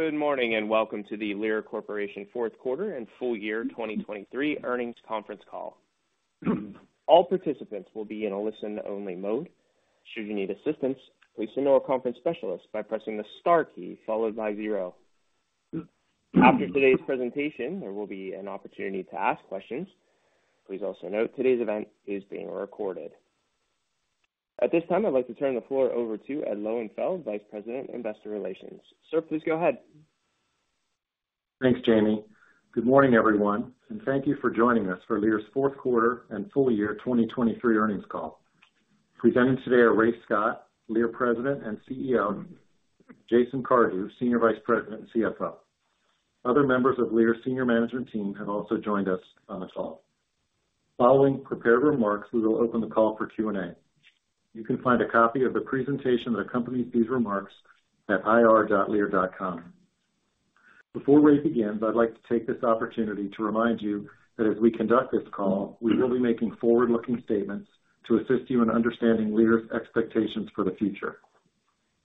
Good morning, and welcome to the Lear Corporation fourth quarter and full year 2023 earnings conference call. All participants will be in a listen-only mode. Should you need assistance, please speak to our conference specialist by pressing the star key followed by zero. After today's presentation, there will be an opportunity to ask questions. Please also note, today's event is being recorded. At this time, I'd like to turn the floor over to Ed Lowenfeld, Vice President, Investor Relations. Sir, please go ahead. Thanks, Jamie. Good morning, everyone, and thank you for joining us for Lear's fourth quarter and full year 2023 earnings call. Presenting today are Ray Scott, Lear's President and CEO; Jason Cardew, Senior Vice President and CFO. Other members of Lear's senior management team have also joined us on the call. Following prepared remarks, we will open the call for Q&A. You can find a copy of the presentation that accompanies these remarks at ir.lear.com. Before Ray begins, I'd like to take this opportunity to remind you that as we conduct this call, we will be making forward-looking statements to assist you in understanding Lear's expectations for the future.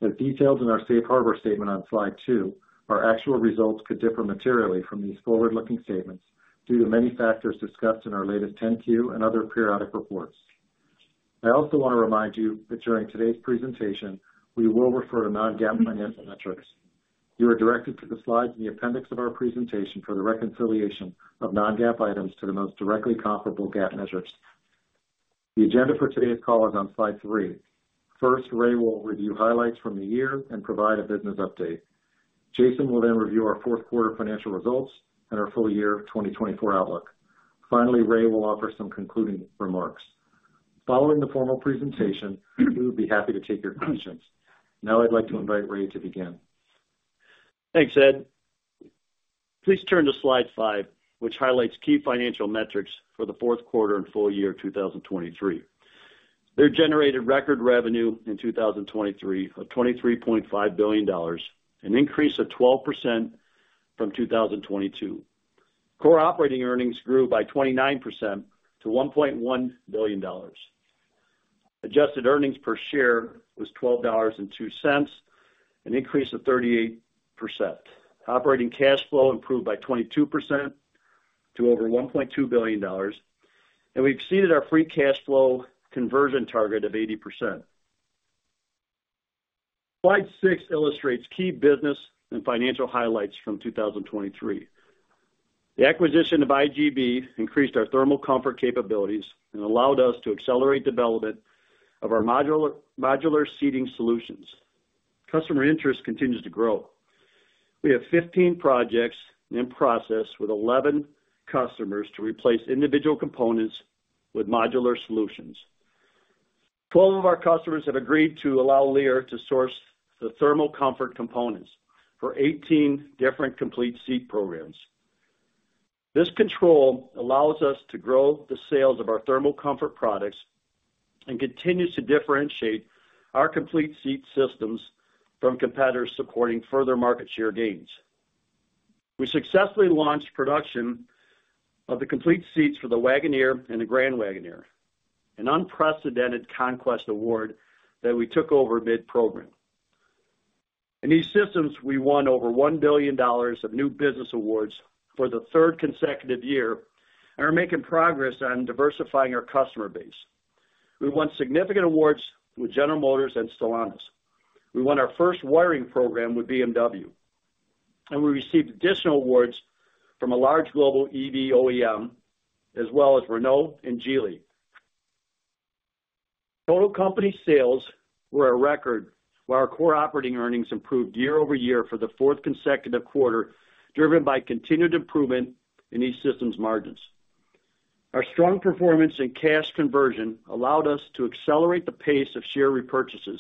As detailed in our safe harbor statement on slide two, our actual results could differ materially from these forward-looking statements due to many factors discussed in our latest 10-Q and other periodic reports. I also want to remind you that during today's presentation, we will refer to non-GAAP financial metrics. You are directed to the slides in the appendix of our presentation for the reconciliation of non-GAAP items to the most directly comparable GAAP measures. The agenda for today's call is on slide three. First, Ray will review highlights from the year and provide a business update. Jason will then review our fourth quarter financial results and our full year 2024 outlook. Finally, Ray will offer some concluding remarks. Following the formal presentation, we would be happy to take your questions. Now, I'd like to invite Ray to begin. Thanks, Ed. Please turn to slide five, which highlights key financial metrics for the fourth quarter and full year 2023. They generated record revenue in 2023 of $23.5 billion, an increase of 12% from 2022. Core operating earnings grew by 29% to $1.1 billion. Adjusted earnings per share was $12.02, an increase of 38%. Operating cash flow improved by 22% to over $1.2 billion, and we've exceeded our free cash flow conversion target of 80%. Slide six illustrates key business and financial highlights from 2023. The acquisition of IGB increased our thermal comfort capabilities and allowed us to accelerate development of our modular seating solutions. Customer interest continues to grow. We have 15 projects in process with 11 customers to replace individual components with modular solutions. Twelve of our customers have agreed to allow Lear to source the thermal comfort components for 18 different complete seat programs. This control allows us to grow the sales of our thermal comfort products and continues to differentiate our complete seat systems from competitors, supporting further market share gains. We successfully launched production of the complete seats for the Jeep Wagoneer and the Jeep Grand Wagoneer, an unprecedented conquest award that we took over mid-program. In E-Systems, we won over $1 billion of new business awards for the third consecutive year and are making progress on diversifying our customer base. We won significant awards with General Motors and Stellantis. We won our first wiring program with BMW, and we received additional awards from a large global EV OEM, as well as Renault and Geely. Total company sales were a record, while our core operating earnings improved year-over-year for the fourth consecutive quarter, driven by continued improvement in E-Systems margins. Our strong performance and cash conversion allowed us to accelerate the pace of share repurchases.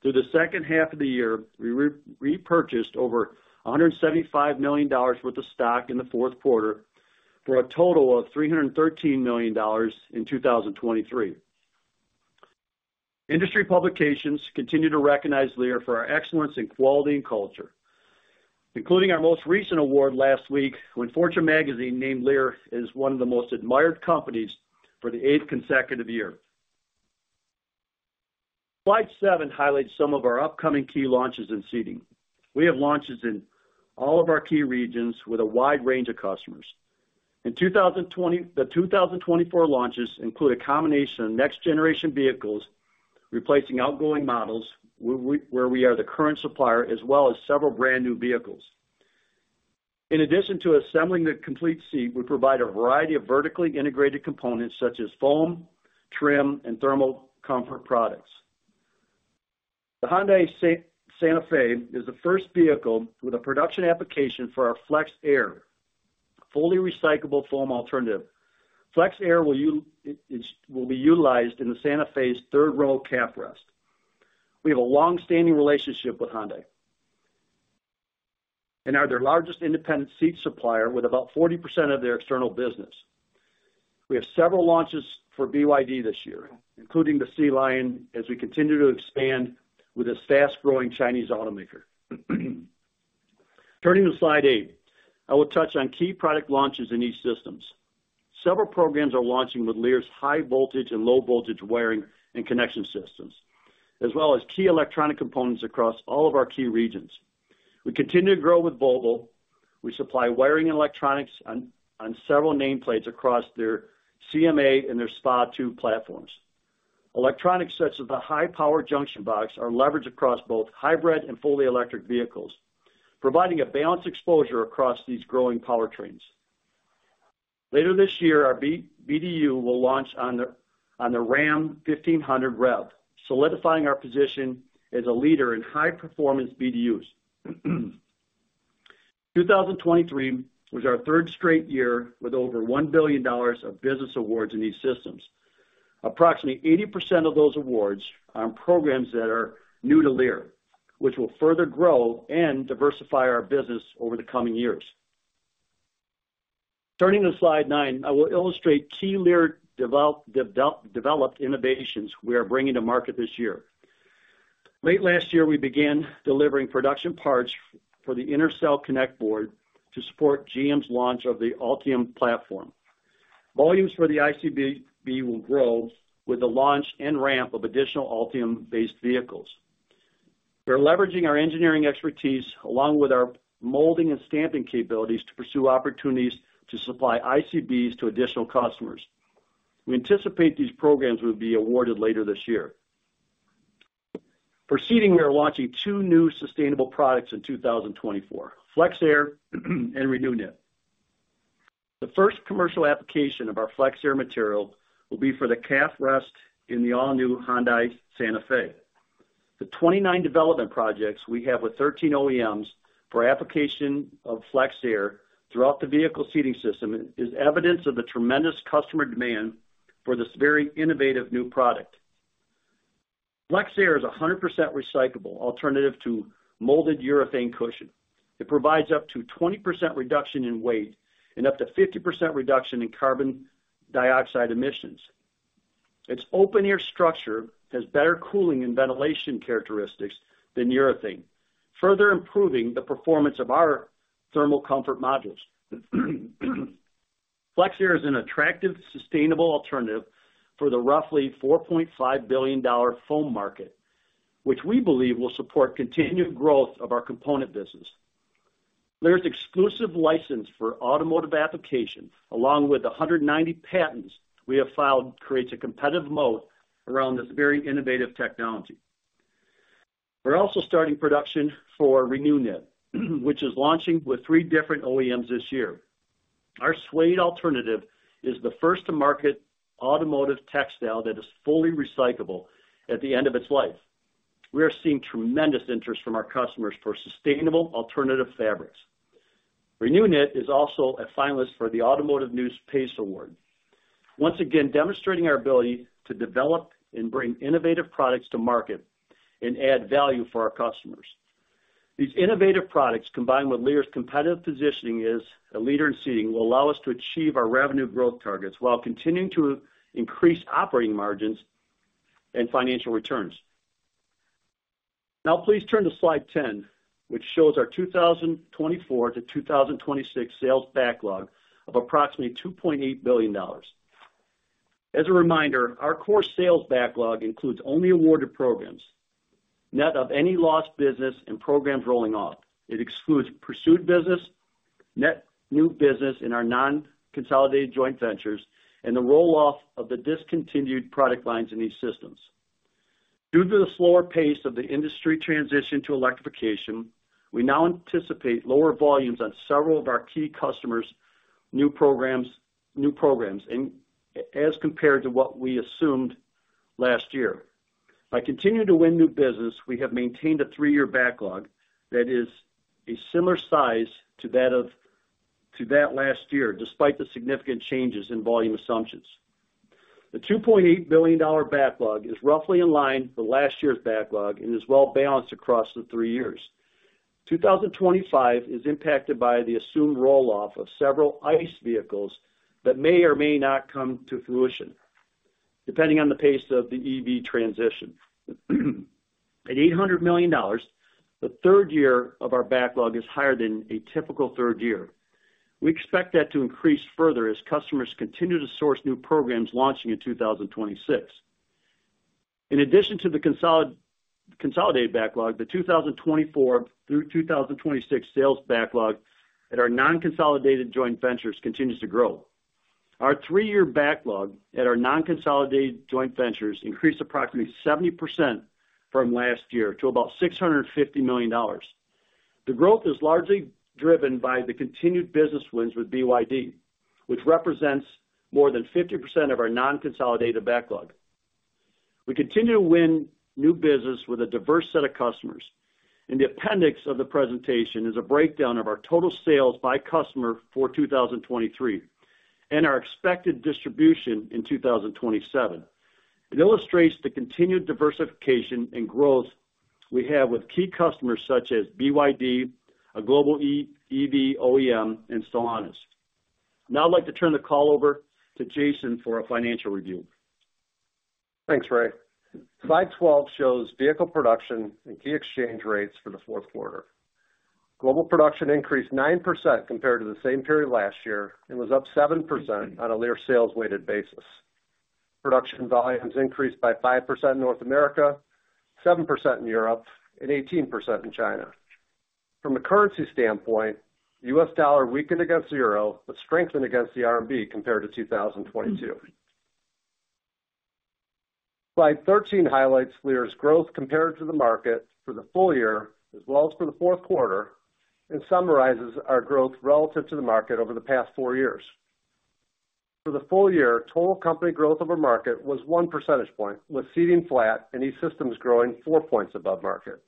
Through the second half of the year, we re-repurchased over $175 million worth of stock in the fourth quarter, for a total of $313 million in 2023. Industry publications continue to recognize Lear for our excellence in quality and culture, including our most recent award last week, when Fortune Magazine named Lear as one of the most admired companies for the eighth consecutive year. Slide seven highlights some of our upcoming key launches in seating. We have launches in all of our key regions with a wide range of customers. In 2024, the 2024 launches include a combination of next-generation vehicles replacing outgoing models, where we are the current supplier, as well as several brand-new vehicles. In addition to assembling the complete seat, we provide a variety of vertically integrated components, such as foam, trim, and thermal comfort products. The Hyundai Santa Fe is the first vehicle with a production application for our FlexAir, fully recyclable foam alternative. FlexAir will be utilized in the Santa Fe's third-row calf rest. We have a long-standing relationship with Hyundai and are their largest independent seat supplier, with about 40% of their external business. We have several launches for BYD this year, including the Sea Lion, as we continue to expand with this fast-growing Chinese automaker. Turning to slide eight, I will touch on key product launches in E-Systems. Several programs are launching with Lear's high voltage and low voltage wiring and connection systems, as well as key electronic components across all of our key regions. We continue to grow with Volvo. We supply wiring and electronics on several nameplates across their CMA and their SPA2 platforms. Electronic sets of the high power junction box are leveraged across both hybrid and fully electric vehicles, providing a balanced exposure across these growing powertrains. Later this year, our BDU will launch on the Ram 1500 REV, solidifying our position as a leader in high-performance BDUs. 2023 was our third straight year with over $1 billion of business awards in E-Systems. Approximately 80% of those awards are on programs that are new to Lear, which will further grow and diversify our business over the coming years. Turning to slide nine, I will illustrate key Lear developed innovations we are bringing to market this year. Late last year, we began delivering production parts for the Intercell Connect Board to support GM's launch of the Ultium platform. Volumes for the ICB will grow with the launch and ramp of additional Ultium-based vehicles. We're leveraging our engineering expertise, along with our molding and stamping capabilities, to pursue opportunities to supply ICBs to additional customers. We anticipate these programs will be awarded later this year. Proceeding, we are launching two new sustainable products in 2024: FlexAir and ReNewKnit. The first commercial application of our FlexAir material will be for the calf rest in the all-new Hyundai Santa Fe. The 29 development projects we have with 13 OEMs for application of FlexAir throughout the vehicle seating system is evidence of the tremendous customer demand for this very innovative new product. FlexAir is 100% recyclable alternative to molded urethane cushion. It provides up to 20% reduction in weight and up to 50% reduction in carbon dioxide emissions. Its open-air structure has better cooling and ventilation characteristics than urethane, further improving the performance of our thermal comfort modules. FlexAir is an attractive, sustainable alternative for the roughly $4.5 billion foam market, which we believe will support continued growth of our component business. Lear's exclusive license for automotive application, along with the 190 patents we have filed, creates a competitive moat around this very innovative technology. We're also starting production for ReNewKnit, which is launching with three different OEMs this year. Our suede alternative is the first to market automotive textile that is fully recyclable at the end of its life. We are seeing tremendous interest from our customers for sustainable alternative fabrics. ReNewKnit is also a finalist for the Automotive News PACE Award. Once again, demonstrating our ability to develop and bring innovative products to market and add value for our customers. These innovative products, combined with Lear's competitive positioning as a leader in seating, will allow us to achieve our revenue growth targets while continuing to increase operating margins and financial returns. Now, please turn to slide 10, which shows our 2024-2026 sales backlog of approximately $2.8 billion. As a reminder, our core sales backlog includes only awarded programs, net of any lost business and programs rolling off. It excludes pursued business, net new business in our non-consolidated joint ventures, and the roll-off of the discontinued product lines in E-Systems. Due to the slower pace of the industry transition to electrification, we now anticipate lower volumes on several of our key customers' new programs, new programs, and as compared to what we assumed last year. By continuing to win new business, we have maintained a three-year backlog that is a similar size to that of- to that last year, despite the significant changes in volume assumptions. The $2.8 billion backlog is roughly in line with last year's backlog and is well balanced across the three years. 2025 is impacted by the assumed roll-off of several ICE vehicles that may or may not come to fruition, depending on the pace of the EV transition. At $800 million, the third year of our backlog is higher than a typical third year. We expect that to increase further as customers continue to source new programs launching in 2026. In addition to the consolidated backlog, the 2024 through 2026 sales backlog at our non-consolidated joint ventures continues to grow. Our three-year backlog at our non-consolidated joint ventures increased approximately 70% from last year to about $650 million. The growth is largely driven by the continued business wins with BYD, which represents more than 50% of our non-consolidated backlog. We continue to win new business with a diverse set of customers. In the appendix of the presentation is a breakdown of our total sales by customer for 2023, and our expected distribution in 2027. It illustrates the continued diversification and growth we have with key customers such as BYD, a global EV OEM, and others. Now I'd like to turn the call over to Jason for a financial review. Thanks, Ray. Slide 12 shows vehicle production and key exchange rates for the fourth quarter. Global production increased 9% compared to the same period last year, and was up 7% on a Lear sales weighted basis. Production volumes increased by 5% in North America, 7% in Europe, and 18% in China. From a currency standpoint, U.S. dollar weakened against the euro, but strengthened against the RMB compared to 2022. Slide 13 highlights Lear's growth compared to the market for the full year, as well as for the fourth quarter, and summarizes our growth relative to the market over the past four years. For the full year, total company growth over market was 1 percentage point, with seating flat and E-Systems growing 4 points above market.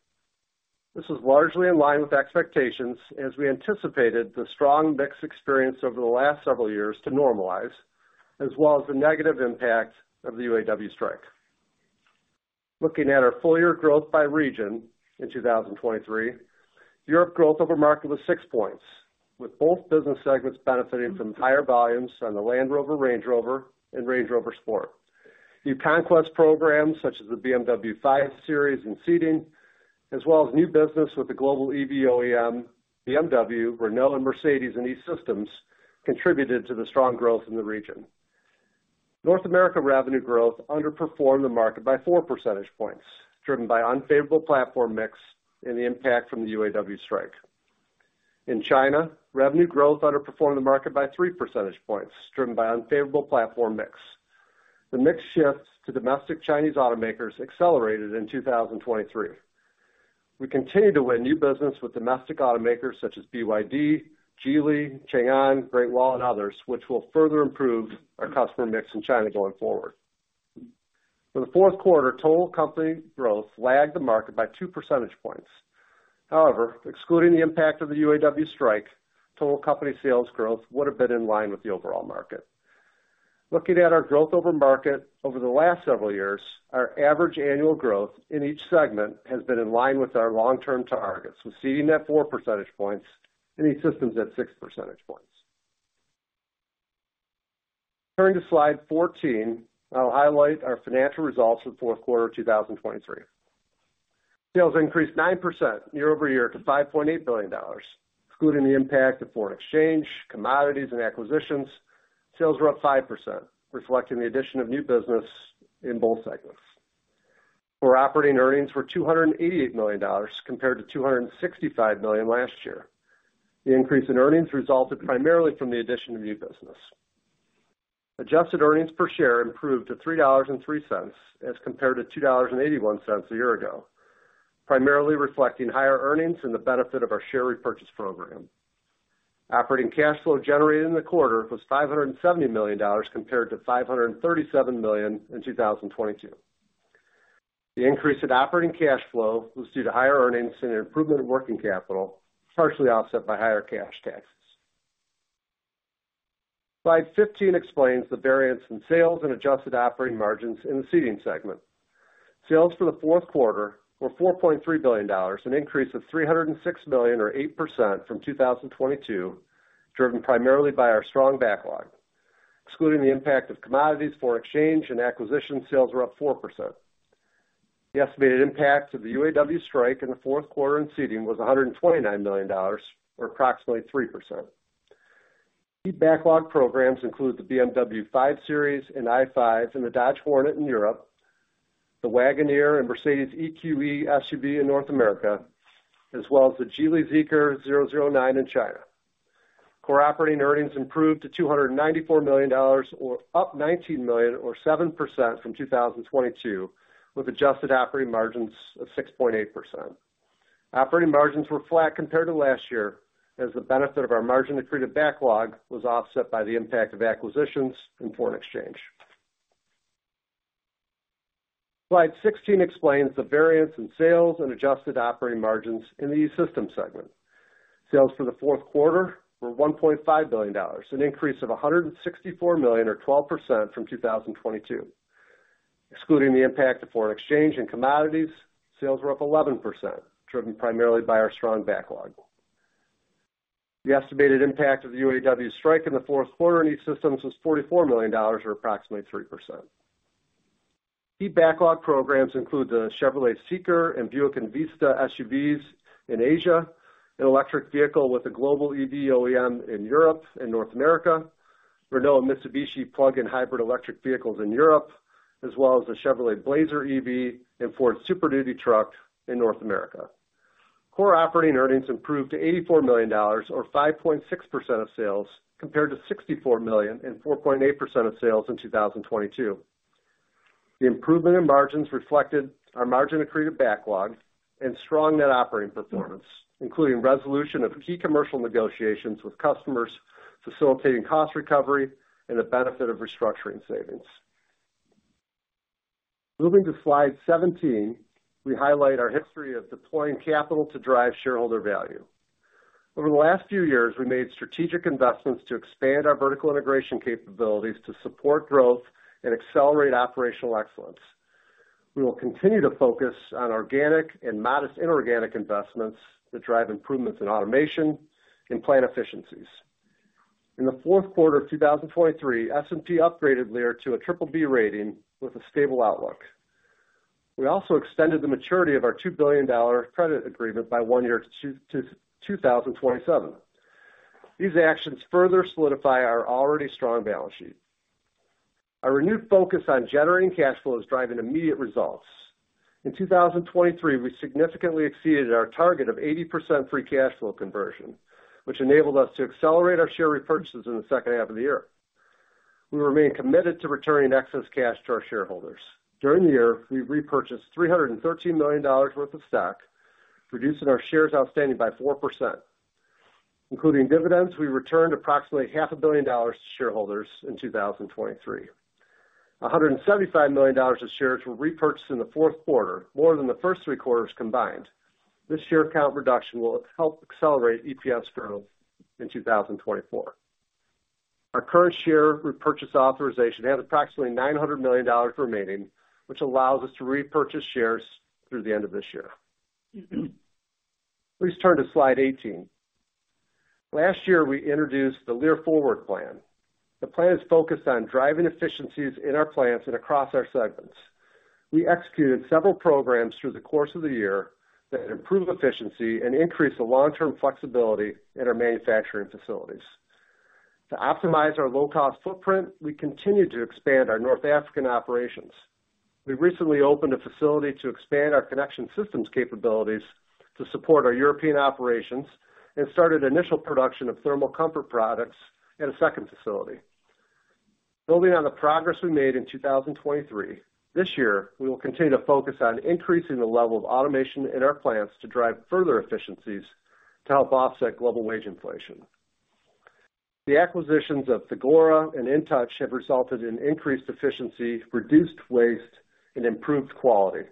This is largely in line with expectations, as we anticipated the strong mix experience over the last several years to normalize, as well as the negative impact of the UAW strike. Looking at our full year growth by region in 2023, Europe growth over market was 6 points, with both business segments benefiting from higher volumes on the Land Rover, Range Rover and Range Rover Sport. New conquest programs such as the BMW 5 Series and Seating, as well as new business with the global EV OEM, BMW, Renault and Mercedes in E-Systems, contributed to the strong growth in the region. North America revenue growth underperformed the market by 4 percentage points, driven by unfavorable platform mix and the impact from the UAW strike. In China, revenue growth underperformed the market by 3 percentage points, driven by unfavorable platform mix. The mix shift to domestic Chinese automakers accelerated in 2023. We continued to win new business with domestic automakers such as BYD, Geely, Changan, Great Wall, others, which will further improve our customer mix in China going forward. For the fourth quarter, total company growth lagged the market by 2 percentage points. However, excluding the impact of the UAW strike, total company sales growth would have been in line with the overall market. Looking at our growth over market over the last several years, our average annual growth in each segment has been in line with our long-term targets, with seating at 4 percentage points and E-Systems at 6 percentage points. Turning to slide 14, I'll highlight our financial results for the fourth quarter of 2023. Sales increased 9% year-over-year to $5.8 billion, excluding the impact of foreign exchange, commodities, and acquisitions. Sales were up 5%, reflecting the addition of new business in both segments. Our operating earnings were $288 million compared to $265 million last year. The increase in earnings resulted primarily from the addition of new business. Adjusted earnings per share improved to $3.03, as compared to $2.81 a year ago, primarily reflecting higher earnings and the benefit of our share repurchase program. Operating cash flow generated in the quarter was $570 million, compared to $537 million in 2022. The increase in operating cash flow was due to higher earnings and an improvement in working capital, partially offset by higher cash taxes. Slide 15 explains the variance in sales and adjusted operating margins in the seating segment. Sales for the fourth quarter were $4.3 billion, an increase of $306 million, or 8% from 2022, driven primarily by our strong backlog. Excluding the impact of commodities, foreign exchange, and acquisition, sales were up 4%. The estimated impact of the UAW strike in the fourth quarter in seating was $129 million, or approximately 3%. Key backlog programs include the BMW 5 Series and i5 and the Dodge Hornet in Europe, the Wagoneer and Mercedes EQE SUV in North America, as well as the Geely Zeekr 009 in China. Core operating earnings improved to $294 million, or up $19 million, or 7% from 2022, with adjusted operating margins of 6.8%. Operating margins were flat compared to last year, as the benefit of our margin accreted backlog was offset by the impact of acquisitions and foreign exchange. Slide 16 explains the variance in sales and adjusted operating margins in the E-Systems segment. Sales for the fourth quarter were $1.5 billion, an increase of $164 million, or 12% from 2022. Excluding the impact of foreign exchange and commodities, sales were up 11%, driven primarily by our strong backlog. The estimated impact of the UAW strike in the fourth quarter in E-Systems was $44 million, or approximately 3%. Key backlog programs include the Chevrolet Seeker and Buick Envista SUVs in Asia, an electric vehicle with a global EV OEM in Europe and North America, Renault and Mitsubishi plug-in hybrid electric vehicles in Europe, as well as the Chevrolet Blazer EV and Ford Super Duty truck in North America. Core operating earnings improved to $84 million, or 5.6% of sales, compared to $64 million and 4.8% of sales in 2022. The improvement in margins reflected our margin-accretive backlog and strong net operating performance, including resolution of key commercial negotiations with customers, facilitating cost recovery and the benefit of restructuring savings. Moving to slide 17, we highlight our history of deploying capital to drive shareholder value. Over the last few years, we made strategic investments to expand our vertical integration capabilities to support growth and accelerate operational excellence. We will continue to focus on organic and modest inorganic investments that drive improvements in automation and plant efficiencies. In the fourth quarter of 2023, S&P upgraded Lear to a BBB rating with a stable outlook. We also extended the maturity of our $2 billion credit agreement by one year to 2027. These actions further solidify our already strong balance sheet. Our renewed focus on generating cash flow is driving immediate results. In 2023, we significantly exceeded our target of 80% free cash flow conversion, which enabled us to accelerate our share repurchases in the second half of the year. We remain committed to returning excess cash to our shareholders. During the year, we repurchased $313 million worth of stock, reducing our shares outstanding by 4%. Including dividends, we returned approximately $500 million to shareholders in 2023. $175 million of shares were repurchased in the fourth quarter, more than the first three quarters combined. This share count reduction will help accelerate EPS growth in 2024. Our current share repurchase authorization has approximately $900 million remaining, which allows us to repurchase shares through the end of this year. Please turn to slide 18. Last year, we introduced the Lear Forward Plan. The plan is focused on driving efficiencies in our plants and across our segments. We executed several programs through the course of the year that improved efficiency and increased the long-term flexibility in our manufacturing facilities. To optimize our low-cost footprint, we continued to expand our North African operations. We recently opened a facility to expand our connection systems capabilities to support our European operations and started initial production of thermal comfort products at a second facility. Building on the progress we made in 2023, this year, we will continue to focus on increasing the level of automation in our plants to drive further efficiencies to help offset global wage inflation. The acquisitions of Thagora and InTouch have resulted in increased efficiency, reduced waste, and improved quality.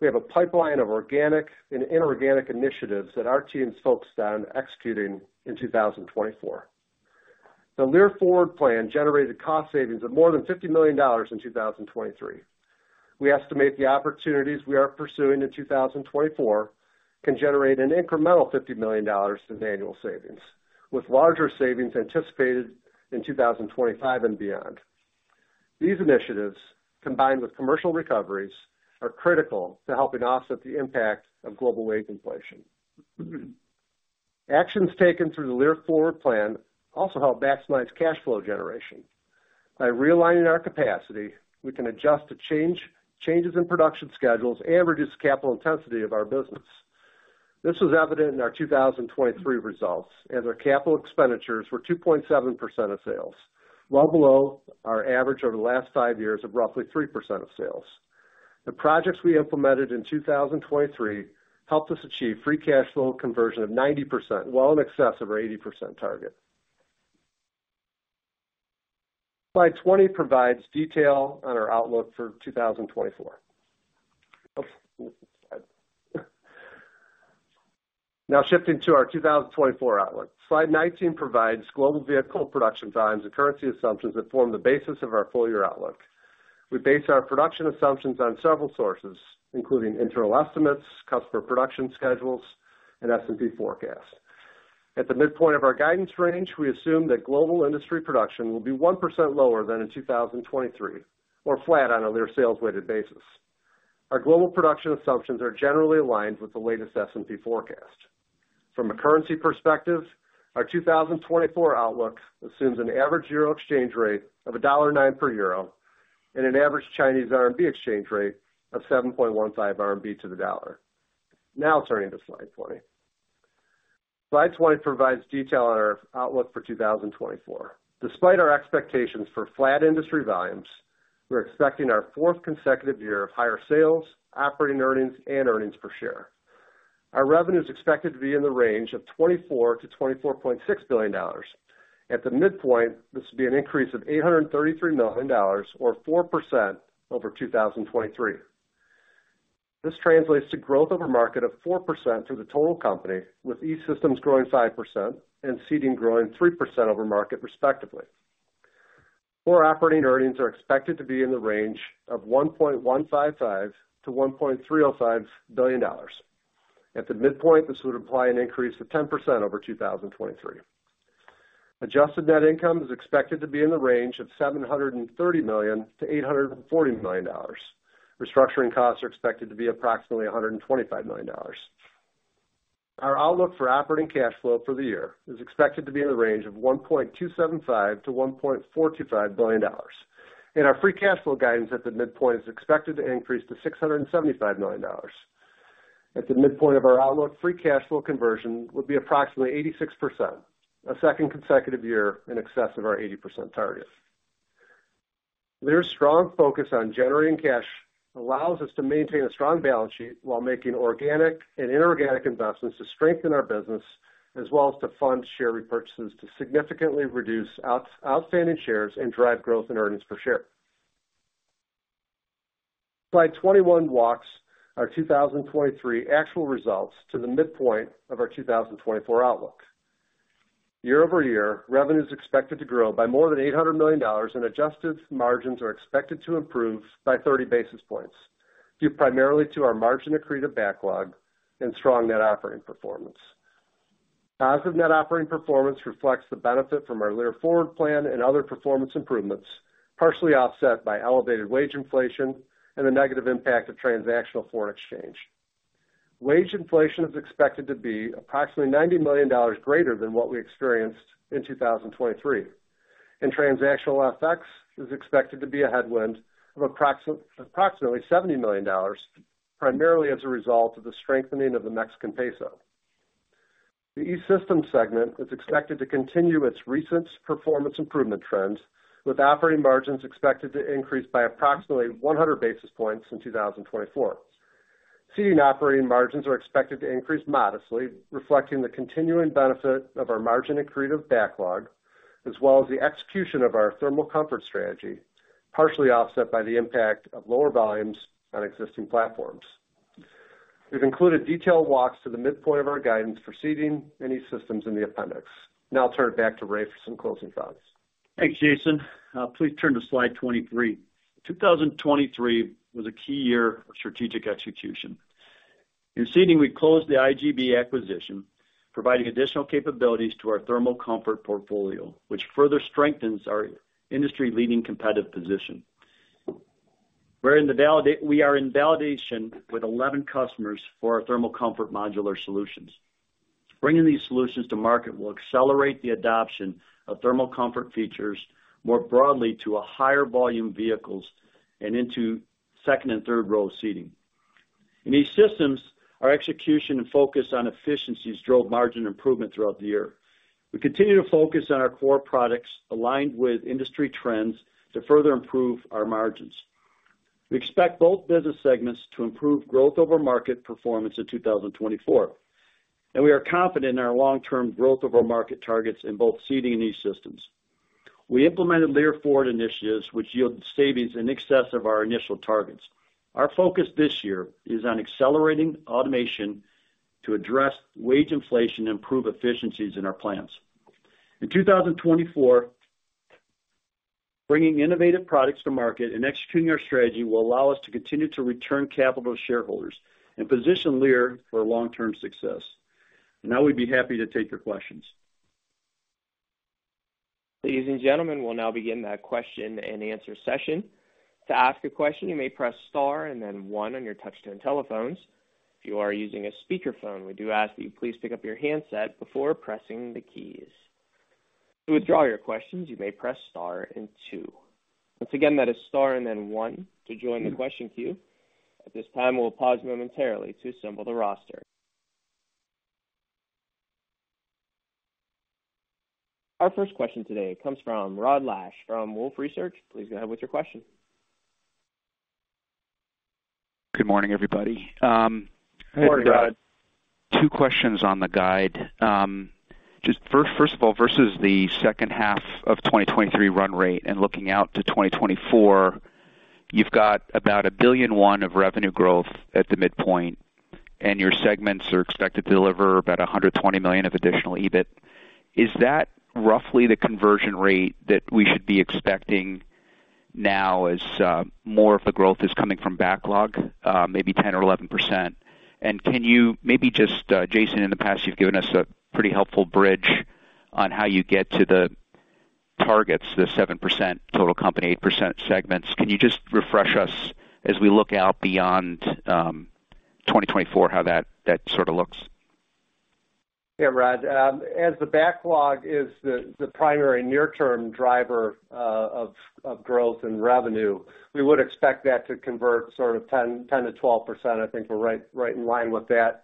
We have a pipeline of organic and inorganic initiatives that our team is focused on executing in 2024. The Lear Forward Plan generated cost savings of more than $50 million in 2023. We estimate the opportunities we are pursuing in 2024 can generate an incremental $50 million in annual savings, with larger savings anticipated in 2025 and beyond. These initiatives, combined with commercial recoveries, are critical to helping offset the impact of global wage inflation. Actions taken through the Lear Forward Plan also help maximize cash flow generation. By realigning our capacity, we can adjust to changes in production schedules and reduce the capital intensity of our business. This was evident in our 2023 results, as our capital expenditures were 2.7% of sales, well below our average over the last five years of roughly 3% of sales. The projects we implemented in 2023 helped us achieve free cash flow conversion of 90%, well in excess of our 80% target. Now, shifting to our 2024 outlook. Slide 19 provides global vehicle production volumes and currency assumptions that form the basis of our full-year outlook. We base our production assumptions on several sources, including internal estimates, customer production schedules, and S&P forecasts. At the midpoint of our guidance range, we assume that global industry production will be 1% lower than in 2023, or flat on a Lear sales-weighted basis. Our global production assumptions are generally aligned with the latest S&P forecast. From a currency perspective, our 2024 outlook assumes an average euro exchange rate of $1.09 per euro and an average Chinese RMB exchange rate of 7.15 RMB to the dollar. Now turning to slide 20. Slide 20 provides detail on our outlook for 2024. Despite our expectations for flat industry volumes, we're expecting our 4th consecutive year of higher sales, operating earnings, and earnings per share. Our revenue is expected to be in the range of $24 billion-$24.6 billion. At the midpoint, this would be an increase of $833 million or 4% over 2023. This translates to growth over market of 4% for the total company, with E-Systems growing 5% and Seating growing 3% over market, respectively. Core operating earnings are expected to be in the range of $1.155 billion-$1.305 billion. At the midpoint, this would imply an increase of 10% over 2023. Adjusted net income is expected to be in the range of $730 million to $840 million. Restructuring costs are expected to be approximately $125 million. Our outlook for operating cash flow for the year is expected to be in the range of $1.275 billion-$1.425 billion, and our free cash flow guidance at the midpoint is expected to increase to $675 million. At the midpoint of our outlook, free cash flow conversion will be approximately 86%, a second consecutive year in excess of our 80% target. Lear's strong focus on generating cash allows us to maintain a strong balance sheet while making organic and inorganic investments to strengthen our business, as well as to fund share repurchases to significantly reduce outstanding shares and drive growth in earnings per share. Slide 21 walks our 2023 actual results to the midpoint of our 2024 outlook. Year-over-year, revenue is expected to grow by more than $800 million, and adjusted margins are expected to improve by 30 basis points. due primarily to our margin accretive backlog and strong net operating performance. Positive net operating performance reflects the benefit from our Lear Forward Plan and other performance improvements, partially offset by elevated wage inflation and the negative impact of transactional foreign exchange. Wage inflation is expected to be approximately $90 million greater than what we experienced in 2023, and transactional effects is expected to be a headwind of approximately $70 million, primarily as a result of the strengthening of the Mexican peso. The E-Systems segment is expected to continue its recent performance improvement trends, with operating margins expected to increase by approximately 100 basis points in 2024. Seating operating margins are expected to increase modestly, reflecting the continuing benefit of our margin accretive backlog, as well as the execution of our thermal comfort strategy, partially offset by the impact of lower volumes on existing platforms. We've included detailed walks to the midpoint of our guidance for Seating and E-Systems in the appendix. Now I'll turn it back to Ray for some closing thoughts. Thanks, Jason. Please turn to slide 23. 2023 was a key year for strategic execution. In seating, we closed the IGB acquisition, providing additional capabilities to our thermal comfort portfolio, which further strengthens our industry-leading competitive position. We're in the validation—we are in validation with 11 customers for our thermal comfort modular solutions. Bringing these solutions to market will accelerate the adoption of thermal comfort features more broadly to a higher volume vehicles and into second and third row seating. In E-Systems, our execution and focus on efficiencies drove margin improvement throughout the year. We continue to focus on our core products aligned with industry trends to further improve our margins. We expect both business segments to improve growth over market performance in 2024, and we are confident in our long-term growth over market targets in both Seating and E-Systems. We implemented Lear Forward initiatives, which yielded savings in excess of our initial targets. Our focus this year is on accelerating automation to address wage inflation and improve efficiencies in our plants. In 2024, bringing innovative products to market and executing our strategy will allow us to continue to return capital to shareholders and position Lear for long-term success. Now, we'd be happy to take your questions. Ladies and gentlemen, we'll now begin that question-and-answer session. To ask a question, you may press star and then one on your touchtone telephones. If you are using a speakerphone, we do ask that you please pick up your handset before pressing the keys. To withdraw your questions, you may press star and two. Once again, that is star and then one to join the question queue. At this time, we'll pause momentarily to assemble the roster. Our first question today comes from Rod Lache, from Wolfe Research. Please go ahead with your question. Good morning, everybody. Morning, Rod. Two questions on the guide. Just first, first of all, versus the second half of 2023 run rate and looking out to 2024, you've got about $1.1 billion of revenue growth at the midpoint, and your segments are expected to deliver about $120 million of additional EBIT. Is that roughly the conversion rate that we should be expecting now as more of the growth is coming from backlog, maybe 10% or 11%? And can you maybe just Jason, in the past, you've given us a pretty helpful bridge on how you get to the targets, the 7% total company, 8% segments. Can you just refresh us as we look out beyond 2024, how that, that sort of looks? Yeah, Rod, as the backlog is the primary near-term driver of growth and revenue, we would expect that to convert sort of 10%-12%. I think we're right in line with that,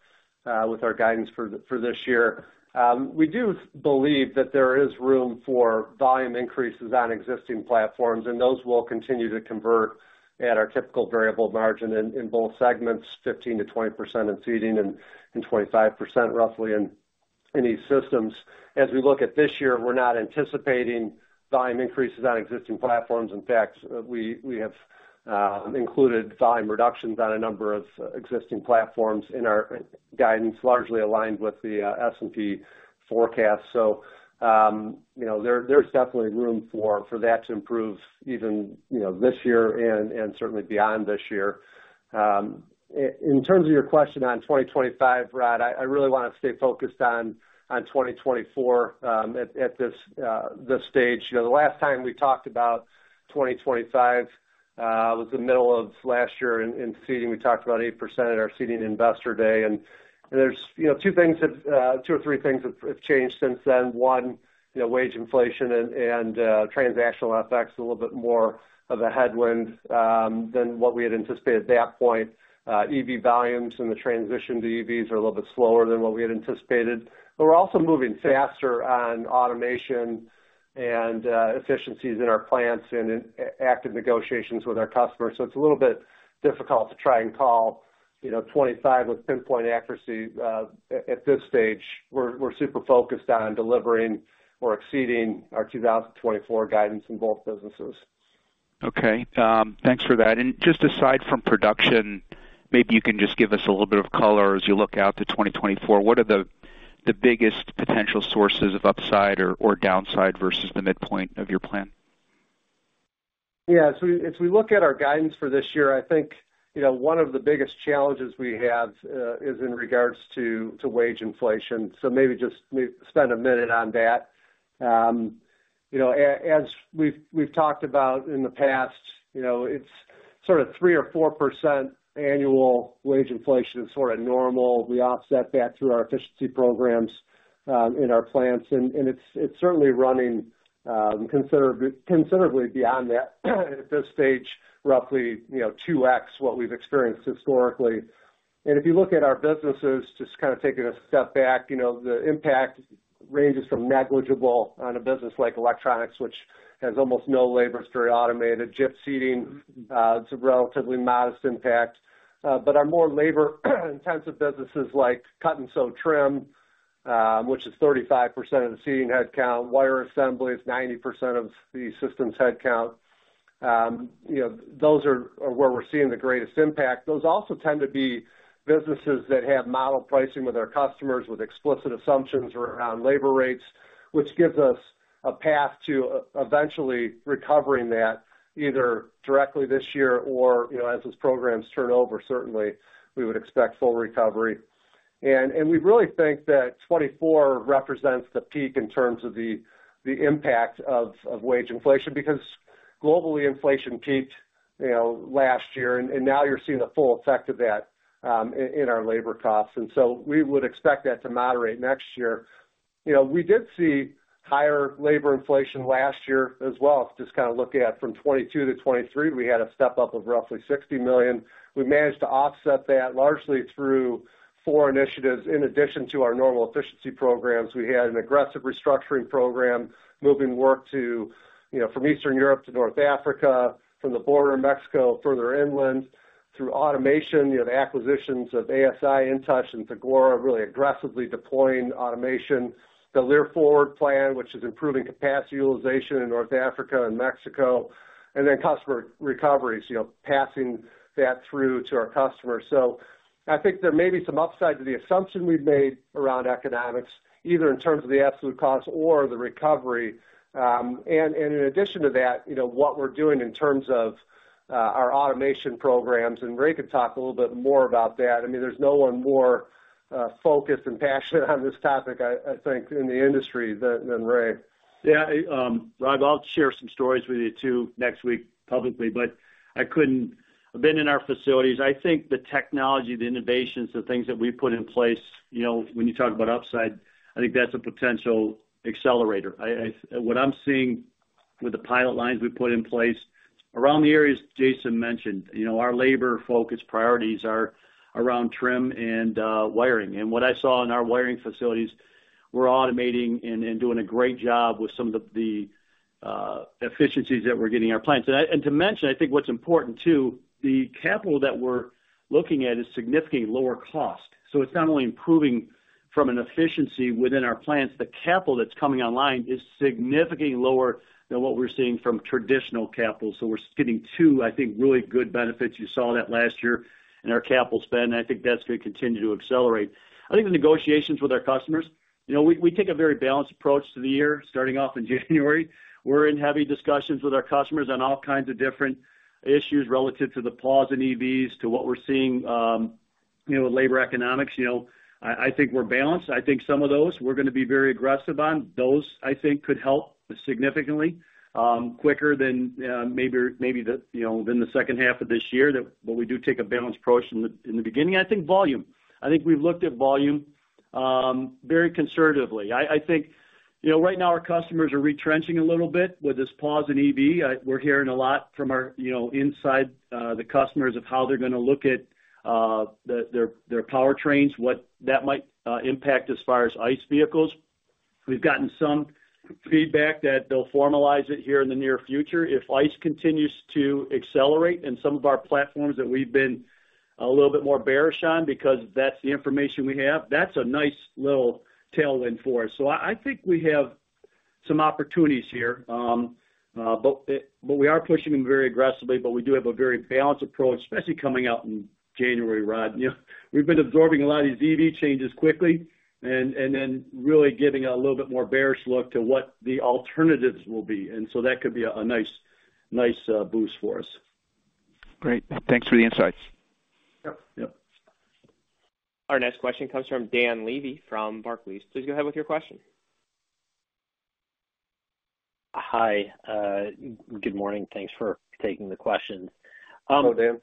with our guidance for this year. We do believe that there is room for volume increases on existing platforms, and those will continue to convert at our typical variable margin in both segments, 15%-20% in seating and 25% roughly in E-Systems. As we look at this year, we're not anticipating volume increases on existing platforms. In fact, we have included volume reductions on a number of existing platforms in our guidance, largely aligned with the S&P forecast. So, you know, there's definitely room for that to improve even, you know, this year and certainly beyond this year. In terms of your question on 2025, Rod, I really wanna stay focused on 2024 at this stage. You know, the last time we talked about 2025 was the middle of last year in Seating. We talked about 8% at our Seating Investor Day, and there's, you know, two or three things have changed since then. One, you know, wage inflation and transactional effects, a little bit more of a headwind than what we had anticipated at that point. EV volumes and the transition to EVs are a little bit slower than what we had anticipated, but we're also moving faster on automation and efficiencies in our plants and in active negotiations with our customers. So it's a little bit difficult to try and call, you know, 25 with pinpoint accuracy at this stage. We're super focused on delivering or exceeding our 2024 guidance in both businesses. Okay. Thanks for that. Just aside from production, maybe you can just give us a little bit of color as you look out to 2024, what are the biggest potential sources of upside or downside versus the midpoint of your plan? Yeah, so as we look at our guidance for this year, I think, you know, one of the biggest challenges we have is in regards to wage inflation. So maybe just let me spend a minute on that. You know, as we've talked about in the past, you know, it's sort of 3%-4% annual wage inflation is sort of normal. We offset that through our efficiency programs in our plants, and it's certainly running considerably beyond that. At this stage, roughly, you know, 2x what we've experienced historically. And if you look at our businesses, just kind of taking a step back, you know, the impact ranges from negligible on a business like electronics, which has almost no labor, it's very automated. JIT seating, it's a relatively modest impact. But our more labor-intensive businesses like cut and sew trim, which is 35% of the seating headcount, wire assembly is 90% of the systems headcount. You know, those are where we're seeing the greatest impact. Those also tend to be businesses that have model pricing with our customers, with explicit assumptions around labor rates, which gives us a path to eventually recovering that either directly this year or, you know, as those programs turn over, certainly we would expect full recovery. And we really think that 2024 represents the peak in terms of the impact of wage inflation, because globally, inflation peaked, you know, last year, and now you're seeing the full effect of that in our labor costs. And so we would expect that to moderate next year. You know, we did see higher labor inflation last year as well. Just kind of looking at from 2022 to 2023, we had a step up of roughly $60 million. We managed to offset that largely through four initiatives. In addition to our normal efficiency programs, we had an aggressive restructuring program, moving work to, you know, from Eastern Europe to North Africa, from the border of Mexico, further inland, through automation. You have acquisitions of ASI, InTouch and Thagora, really aggressively deploying automation. The Lean Forward plan, which is improving capacity utilization in North Africa and Mexico, and then customer recoveries, you know, passing that through to our customers. So I think there may be some upside to the assumption we've made around economics, either in terms of the absolute cost or the recovery. In addition to that, you know, what we're doing in terms of our automation programs, and Ray could talk a little bit more about that. I mean, there's no one more focused and passionate on this topic, I think, in the industry than Ray. Yeah, Rod, I'll share some stories with you, too, next week, publicly, but I've been in our facilities. I think the technology, the innovations, the things that we put in place, you know, when you talk about upside, I think that's a potential accelerator. What I'm seeing with the pilot lines we put in place around the areas Jason mentioned, you know, our labor focus priorities are around trim and wiring. And what I saw in our wiring facilities, we're automating and doing a great job with some of the efficiencies that we're getting in our plants. And to mention, I think what's important, too, the capital that we're looking at is significantly lower cost. So it's not only improving from an efficiency within our plants, the capital that's coming online is significantly lower than what we're seeing from traditional capital. So we're getting two, I think, really good benefits. You saw that last year in our capital spend. I think that's going to continue to accelerate. I think the negotiations with our customers, you know, we take a very balanced approach to the year, starting off in January. We're in heavy discussions with our customers on all kinds of different issues relative to the pause in EVs, to what we're seeing, you know, with labor economics. You know, I think we're balanced. I think some of those we're going to be very aggressive on. Those, I think, could help significantly, quicker than maybe the, you know, than the second half of this year. But we do take a balanced approach in the beginning. I think volume. I think we've looked at volume very conservatively. I think, you know, right now our customers are retrenching a little bit with this pause in EV. We're hearing a lot from our, you know, inside, the customers of how they're going to look at their powertrains, what that might impact as far as ICE vehicles. We've gotten some feedback that they'll formalize it here in the near future. If ICE continues to accelerate in some of our platforms that we've been a little bit more bearish on, because that's the information we have, that's a nice little tailwind for us. So I think we have some opportunities here, but we are pushing them very aggressively, but we do have a very balanced approach, especially coming out in January, Rod. You know, we've been absorbing a lot of these EV changes quickly and, and then really giving a little bit more bearish look to what the alternatives will be, and so that could be a nice, nice, boost for us. Great. Thanks for the insights. Yep. Yep. Our next question comes from Dan Levy, from Barclays. Please go ahead with your question. Hi, good morning. Thanks for taking the questions. Hello, Dan. Wanted to.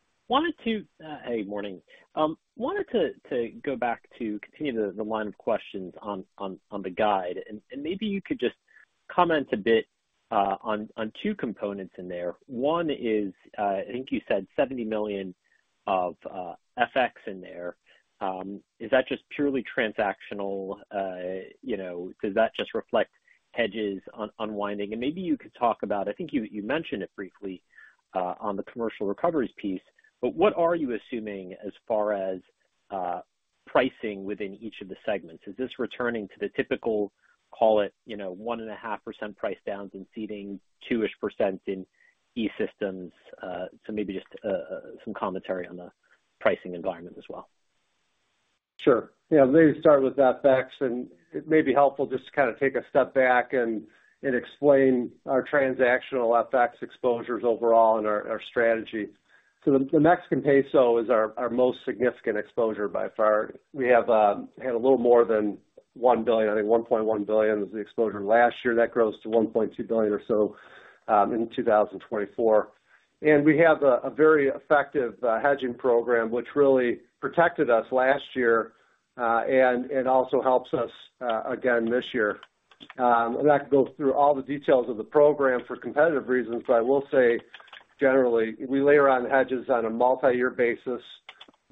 Hey, morning. Wanted to go back to continue the line of questions on the guide, and maybe you could just comment a bit on two components in there. One is, I think you said $70 million of FX in there. Is that just purely transactional? You know, does that just reflect hedges unwinding? And maybe you could talk about... I think you mentioned it briefly on the commercial recoveries piece, but what are you assuming as far as pricing within each of the segments? Is this returning to the typical call it, you know, 1.5% price downs in Seating, 2-ish% in E-Systems. So maybe just some commentary on the pricing environment as well. Sure. Yeah, maybe start with FX, and it may be helpful just to kind of take a step back and explain our transactional FX exposures overall and our strategy. So the Mexican peso is our most significant exposure by far. We have had a little more than $1 billion, I think $1.1 billion was the exposure last year. That grows to $1.2 billion or so in 2024. And we have a very effective hedging program, which really protected us last year, and it also helps us again this year. I'm not going to go through all the details of the program for competitive reasons, but I will say, generally, we layer on hedges on a multi-year basis,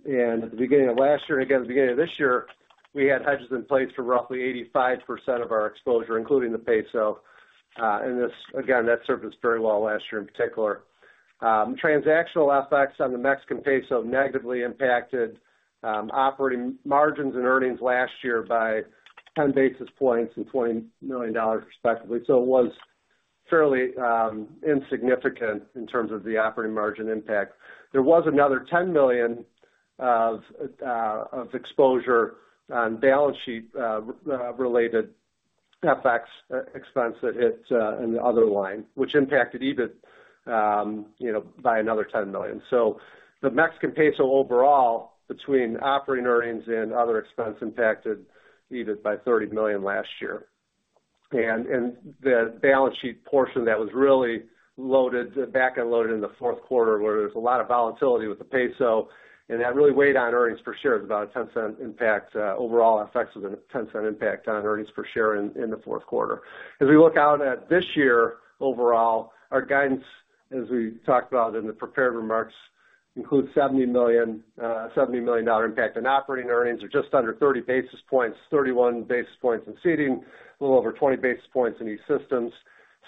and at the beginning of last year, and again, at the beginning of this year, we had hedges in place for roughly 85% of our exposure, including the peso. And this, again, that served us very well last year in particular. Transactional FX on the Mexican peso negatively impacted operating margins and earnings last year by 10 basis points and $20 million, respectively. So it was fairly insignificant in terms of the operating margin impact. There was another $10 million of exposure on balance sheet related FX expense that hit in the other line, which impacted EBIT, you know, by another $10 million. So the Mexican peso overall, between operating earnings and other expense impacted EBIT by $30 million last year. And the balance sheet portion that was really loaded, back-end loaded in the fourth quarter, where there's a lot of volatility with the peso, and that really weighed on earnings per share. It's about a $0.10 impact. Overall effects of a $0.10 impact on earnings per share in the fourth quarter. As we look out at this year, overall, our guidance, as we talked about in the prepared remarks, includes $70 million dollar impact on operating earnings, or just under 30 basis points, 31 basis points in seating, a little over 20 basis points in E-Systems.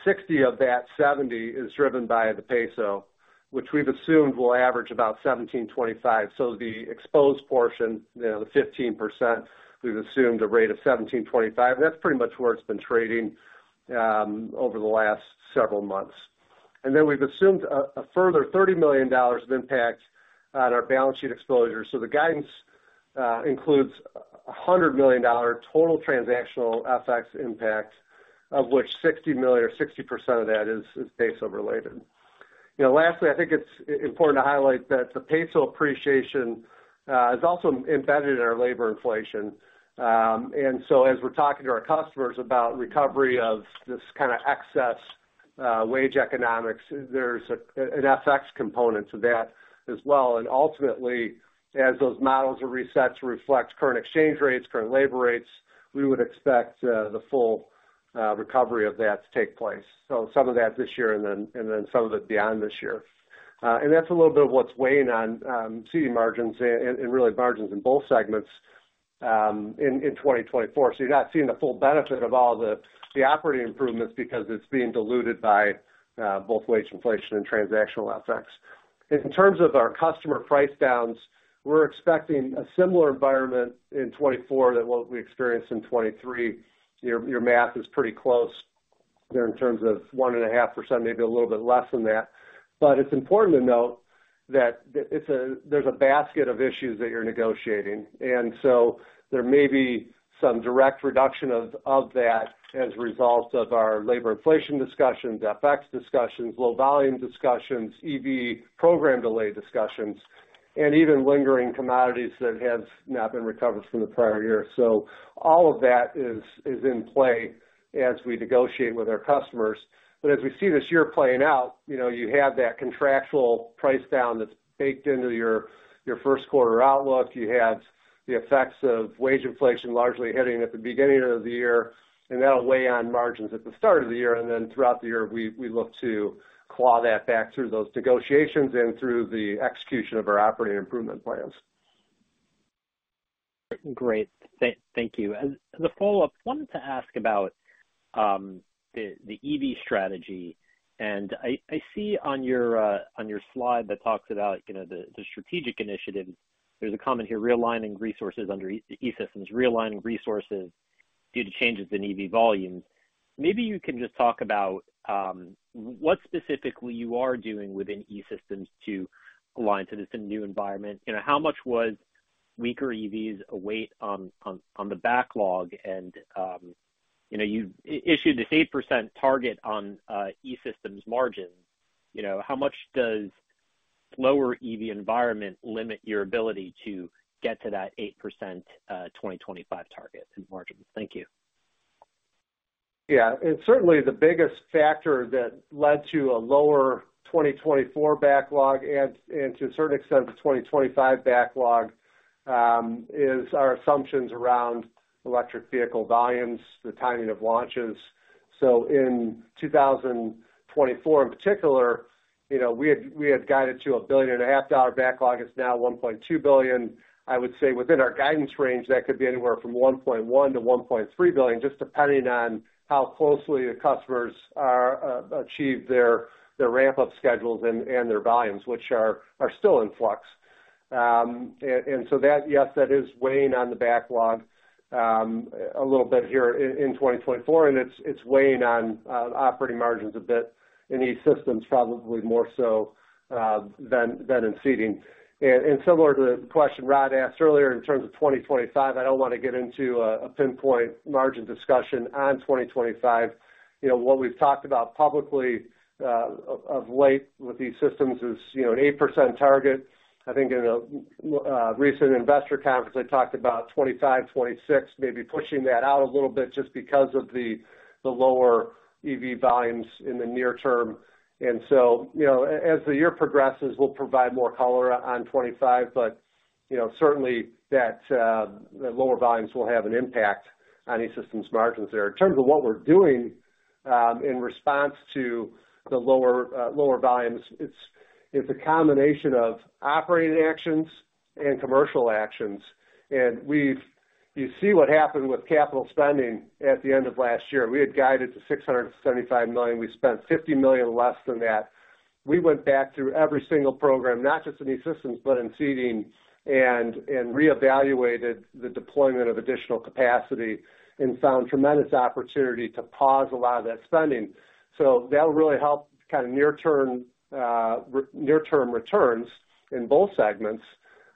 60 of that 70 is driven by the peso, which we've assumed will average about 17.25. So the exposed portion, you know, the 15%, we've assumed a rate of 17.25, and that's pretty much where it's been trading over the last several months. And then we've assumed a further $30 million of impact on our balance sheet exposure. So the guidance includes a $100 million total transactional FX impact, of which $60 million or 60% of that is peso related. You know, lastly, I think it's important to highlight that the peso appreciation is also embedded in our labor inflation. And so as we're talking to our customers about recovery of this kind of excess wage economics, there's an FX component to that as well. And ultimately, as those models are reset to reflect current exchange rates, current labor rates, we would expect the full recovery of that to take place. So some of that this year, and then some of it beyond this year. And that's a little bit of what's weighing on seating margins and really margins in both segments in 2024. So you're not seeing the full benefit of all the operating improvements because it's being diluted by both wage inflation and transactional FX. In terms of our customer price downs, we're expecting a similar environment in 2024 than what we experienced in 2023. Your math is pretty close there in terms of 1.5%, maybe a little bit less than that. But it's important to note that there's a basket of issues that you're negotiating, and so there may be some direct reduction of that as a result of our labor inflation discussions, FX discussions, low volume discussions, EV program delay discussions, and even lingering commodities that have not been recovered from the prior year. So all of that is in play as we negotiate with our customers. But as we see this year playing out, you know, you have that contractual price down that's baked into your first quarter outlook. You had the effects of wage inflation largely hitting at the beginning of the year, and that'll weigh on margins at the start of the year, and then throughout the year, we look to claw that back through those negotiations and through the execution of our operating improvement plans. Great. Thank you. And as a follow-up, wanted to ask about the EV strategy. And I see on your slide that talks about, you know, the strategic initiatives, there's a comment here, realigning resources under E-Systems, realigning resources due to changes in EV volumes. Maybe you can just talk about what specifically you are doing within E-Systems to align to this in new environment. You know, how much was weaker EVs a weight on the backlog and, you know, you issued this 8% target on E-Systems margins. You know, how much does lower EV environment limit your ability to get to that 8% 2025 target in margins? Thank you. Yeah. Certainly the biggest factor that led to a lower 2024 backlog and, to a certain extent, the 2025 backlog, is our assumptions around electric vehicle volumes, the timing of launches. So in 2024, in particular, you know, we guided to a $1.5 billion backlog. It's now $1.2 billion. I would say within our guidance range, that could be anywhere from $1.1 billion-$1.3 billion, just depending on how closely the customers are achieve their ramp-up schedules and their volumes, which are still in flux. And so that, yes, that is weighing on the backlog a little bit here in 2024, and it's weighing on operating margins a bit in E-Systems, probably more so than in Seating. Similar to the question Rod asked earlier in terms of 2025, I don't want to get into a pinpoint margin discussion on 2025. You know, what we've talked about publicly of late with E-Systems is, you know, an 8% target. I think in a recent investor conference, I talked about 2025, 2026, maybe pushing that out a little bit just because of the lower EV volumes in the near term. And so, you know, as the year progresses, we'll provide more color on 2025, but, you know, certainly that the lower volumes will have an impact on E-Systems margins there. In terms of what we're doing in response to the lower volumes, it's a combination of operating actions and commercial actions. You see what happened with capital spending at the end of last year. We had guided to $675 million. We spent $50 million less than that. We went back through every single program, not just in E-Systems, but in Seating and reevaluated the deployment of additional capacity and found tremendous opportunity to pause a lot of that spending. So that really helped kind of near term returns in both segments,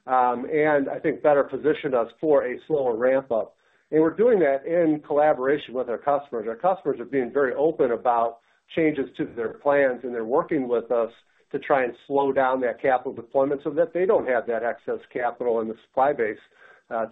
and I think better positioned us for a slower ramp-up. And we're doing that in collaboration with our customers. Our customers are being very open about changes to their plans, and they're working with us to try and slow down that capital deployment so that they don't have that excess capital in the supply base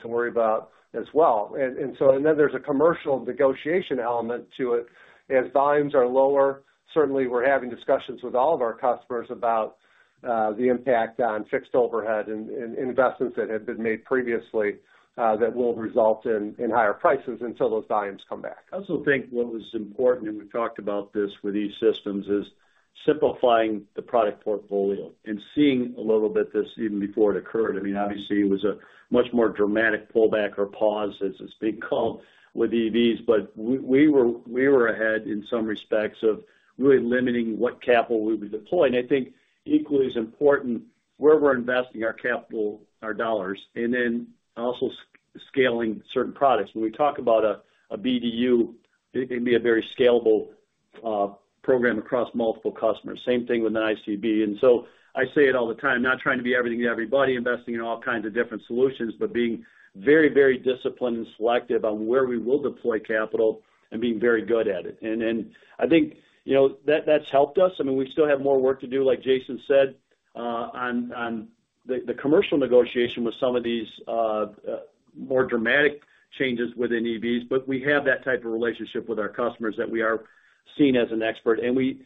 to worry about as well. And then there's a commercial negotiation element to it. As volumes are lower, certainly, we're having discussions with all of our customers about the impact on fixed overhead and investments that have been made previously that will result in higher prices until those volumes come back. I also think what was important, and we talked about this with E-Systems, is simplifying the product portfolio and seeing a little bit this even before it occurred. I mean, obviously, it was a much more dramatic pullback or pause, as it's being called, with EVs, but we were ahead in some respects of really limiting what capital we would deploy. And I think equally as important, where we're investing our capital, our dollars, and then also scaling certain products. When we talk about a BDU, it can be a very scalable program across multiple customers. Same thing with an ICB. And so I say it all the time, not trying to be everything to everybody, investing in all kinds of different solutions, but being very, very disciplined and selective on where we will deploy capital and being very good at it. And I think, you know, that's helped us. I mean, we still have more work to do, like Jason said, on the commercial negotiation with some of these more dramatic changes within EVs, but we have that type of relationship with our customers, that we are seen as an expert. And we,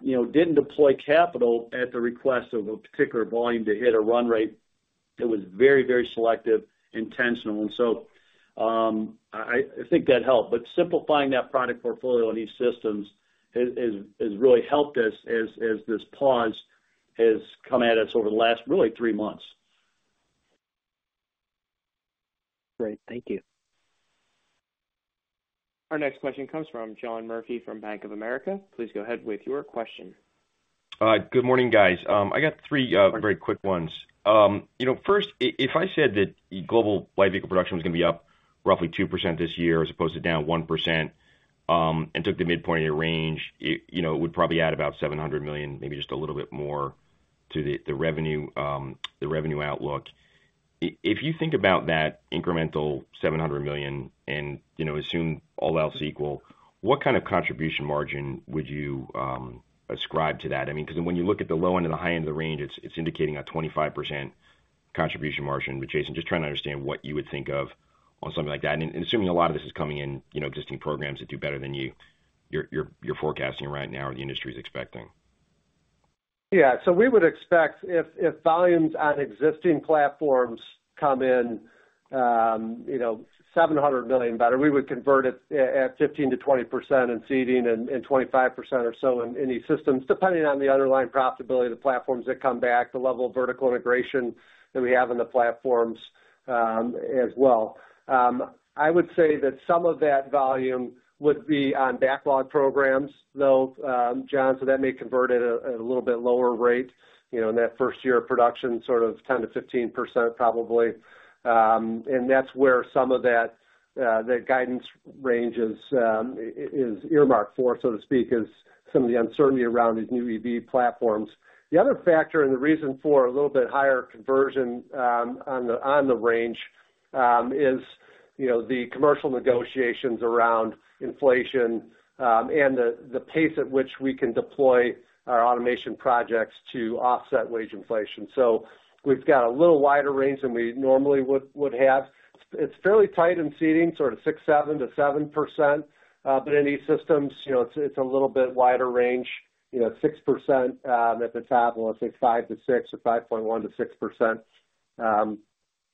you know, didn't deploy capital at the request of a particular volume to hit a run rate. It was very, very selective, intentional. And so I think that helped. But simplifying that product portfolio in E-Systems has really helped us as this pause has come at us over the last, really, three months. Great. Thank you. Our next question comes from John Murphy from Bank of America. Please go ahead with your question. Good morning, guys. I got three very quick ones. You know, first, if I said that global light vehicle production was going to be up roughly 2% this year as opposed to down 1%, and took the midpoint of your range, it, you know, it would probably add about $700 million, maybe just a little bit more to the, the revenue, the revenue outlook. If you think about that incremental $700 million and, you know, assume all else equal, what kind of contribution margin would you ascribe to that? I mean, because when you look at the low end and the high end of the range, it's, it's indicating a 25% contribution margin. But Jason, just trying to understand what you would think of on something like that. Assuming a lot of this is coming in, you know, existing programs that do better than you're forecasting right now, or the industry is expecting. Yeah. So we would expect if, if volumes on existing platforms come in, you know, 700 million better, we would convert it at 15%-20% in Seating and 25% or so in E-Systems, depending on the underlying profitability of the platforms that come back, the level of vertical integration that we have in the platforms, as well. I would say that some of that volume would be on backlog programs, though, John, so that may convert at a little bit lower rate, you know, in that first year of production, sort of 10%-15%, probably. And that's where some of that, that guidance range is earmarked for, so to speak, is some of the uncertainty around these new EV platforms. The other factor and the reason for a little bit higher conversion on the range is, you know, the commercial negotiations around inflation and the pace at which we can deploy our automation projects to offset wage inflation. So we've got a little wider range than we normally would have. It's fairly tight in Seating, sort of 6.7%-7%, but in E-Systems, you know, it's a little bit wider range, you know, 6% at the top, well, I'd say 5%-6% or 5.1%-6% in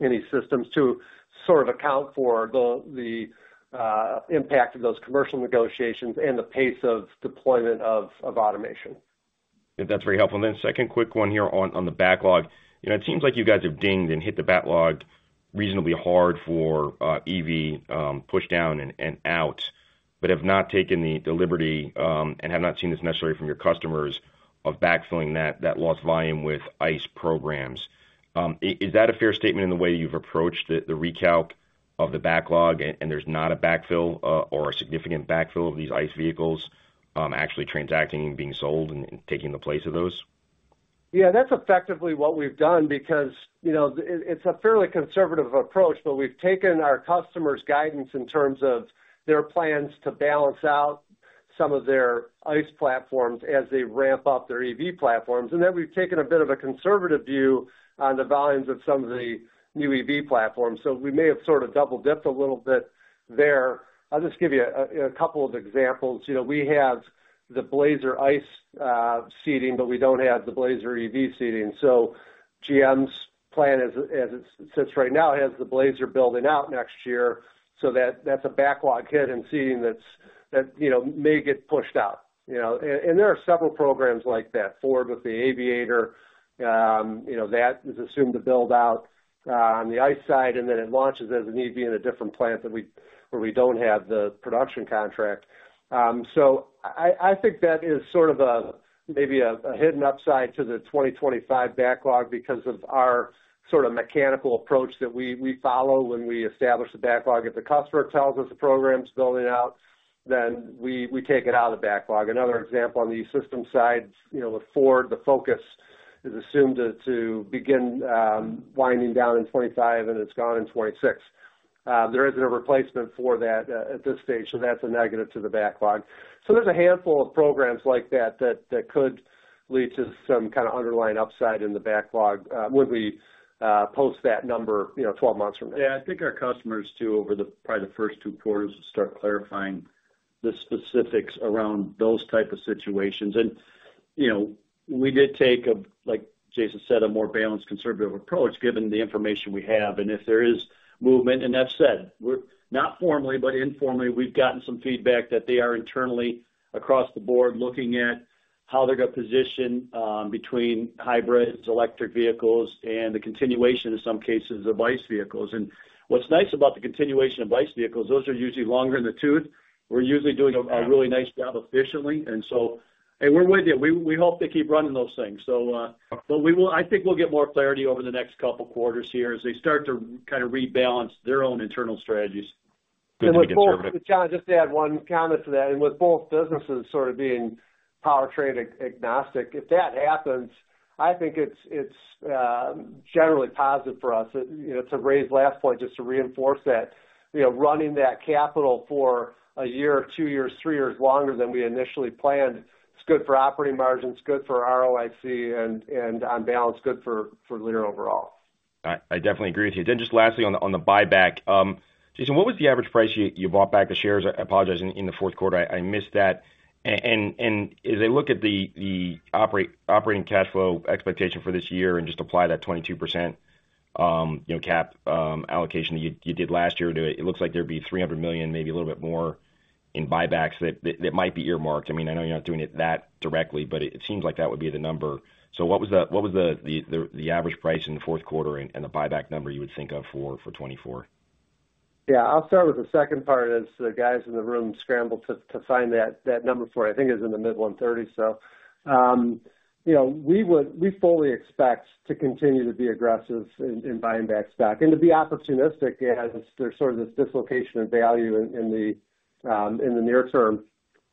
E-Systems to sort of account for the impact of those commercial negotiations and the pace of deployment of automation. That's very helpful. Then second quick one here on the backlog. You know, it seems like you guys have dinged and hit the backlog reasonably hard for EV push down and out, but have not taken the liberty and have not seen this necessarily from your customers of backfilling that lost volume with ICE programs. Is that a fair statement in the way you've approached the recalc of the backlog and there's not a backfill or a significant backfill of these ICE vehicles actually transacting and being sold and taking the place of those? Yeah, that's effectively what we've done because, you know, it, it's a fairly conservative approach, but we've taken our customers' guidance in terms of their plans to balance out some of their ICE platforms as they ramp up their EV platforms. And then we've taken a bit of a conservative view on the volumes of some of the new EV platforms. So we may have sort of double-dipped a little bit there. I'll just give you a couple of examples. You know, we have the Blazer ICE seating, but we don't have the Blazer EV seating. So GM's plan as it sits right now has the Blazer building out next year, so that's a backlog hit in seating that, you know, may get pushed out, you know. And there are several programs like that. Ford with the Aviator, you know, that is assumed to build out on the ICE side, and then it launches as an EV in a different plant where we don't have the production contract. So I think that is sort of a maybe a hidden upside to the 2025 backlog because of our sort of mechanical approach that we follow when we establish the backlog. If the customer tells us the program's building out, then we take it out of the backlog. Another example on the system side, you know, the Ford Focus is assumed to begin winding down in 2025, and it's gone in 2026. There isn't a replacement for that at this stage, so that's a negative to the backlog. So there's a handful of programs like that that could lead to some kind of underlying upside in the backlog when we post that number, you know, 12 months from now. Yeah, I think our customers, too, over probably the first two quarters, will start clarifying the specifics around those type of situations. And, you know, we did take a, like Jason said, a more balanced, conservative approach, given the information we have. And if there is movement, and that said, we're not formally, but informally, we've gotten some feedback that they are internally, across the board, looking at how they're going to position between hybrids, electric vehicles, and the continuation, in some cases, of ICE vehicles. And what's nice about the continuation of ICE vehicles, those are usually longer in the tooth. We're usually doing a really nice job efficiently, and so. And we're with you. We hope they keep running those things. But I think we'll get more clarity over the next couple quarters here as they start to kind of rebalance their own internal strategies. Good to be conservative. With both, John, just to add one comment to that, and with both businesses sort of being powertrain agnostic, if that happens, I think it's generally positive for us. You know, to Ray's last point, just to reinforce that, you know, running that capital for 1 year, 2 years, 3 years longer than we initially planned, it's good for operating margins, it's good for ROIC, and on balance, good for Lear overall. I definitely agree with you. Then just lastly, on the buyback. Jason, what was the average price you bought back the shares, I apologize, in the fourth quarter? I missed that. And as I look at the operating cash flow expectation for this year and just apply that 22%, you know, cap allocation that you did last year to it, it looks like there'd be $300 million, maybe a little bit more in buybacks that might be earmarked. I mean, I know you're not doing it that directly, but it seems like that would be the number. So what was the average price in the fourth quarter and the buyback number you would think of for 2024? Yeah. I'll start with the second part as the guys in the room scramble to find that number for you. I think it was in the mid-130s, so. You know, we fully expect to continue to be aggressive in buying back stock and to be opportunistic as there's sort of this dislocation of value in the near term.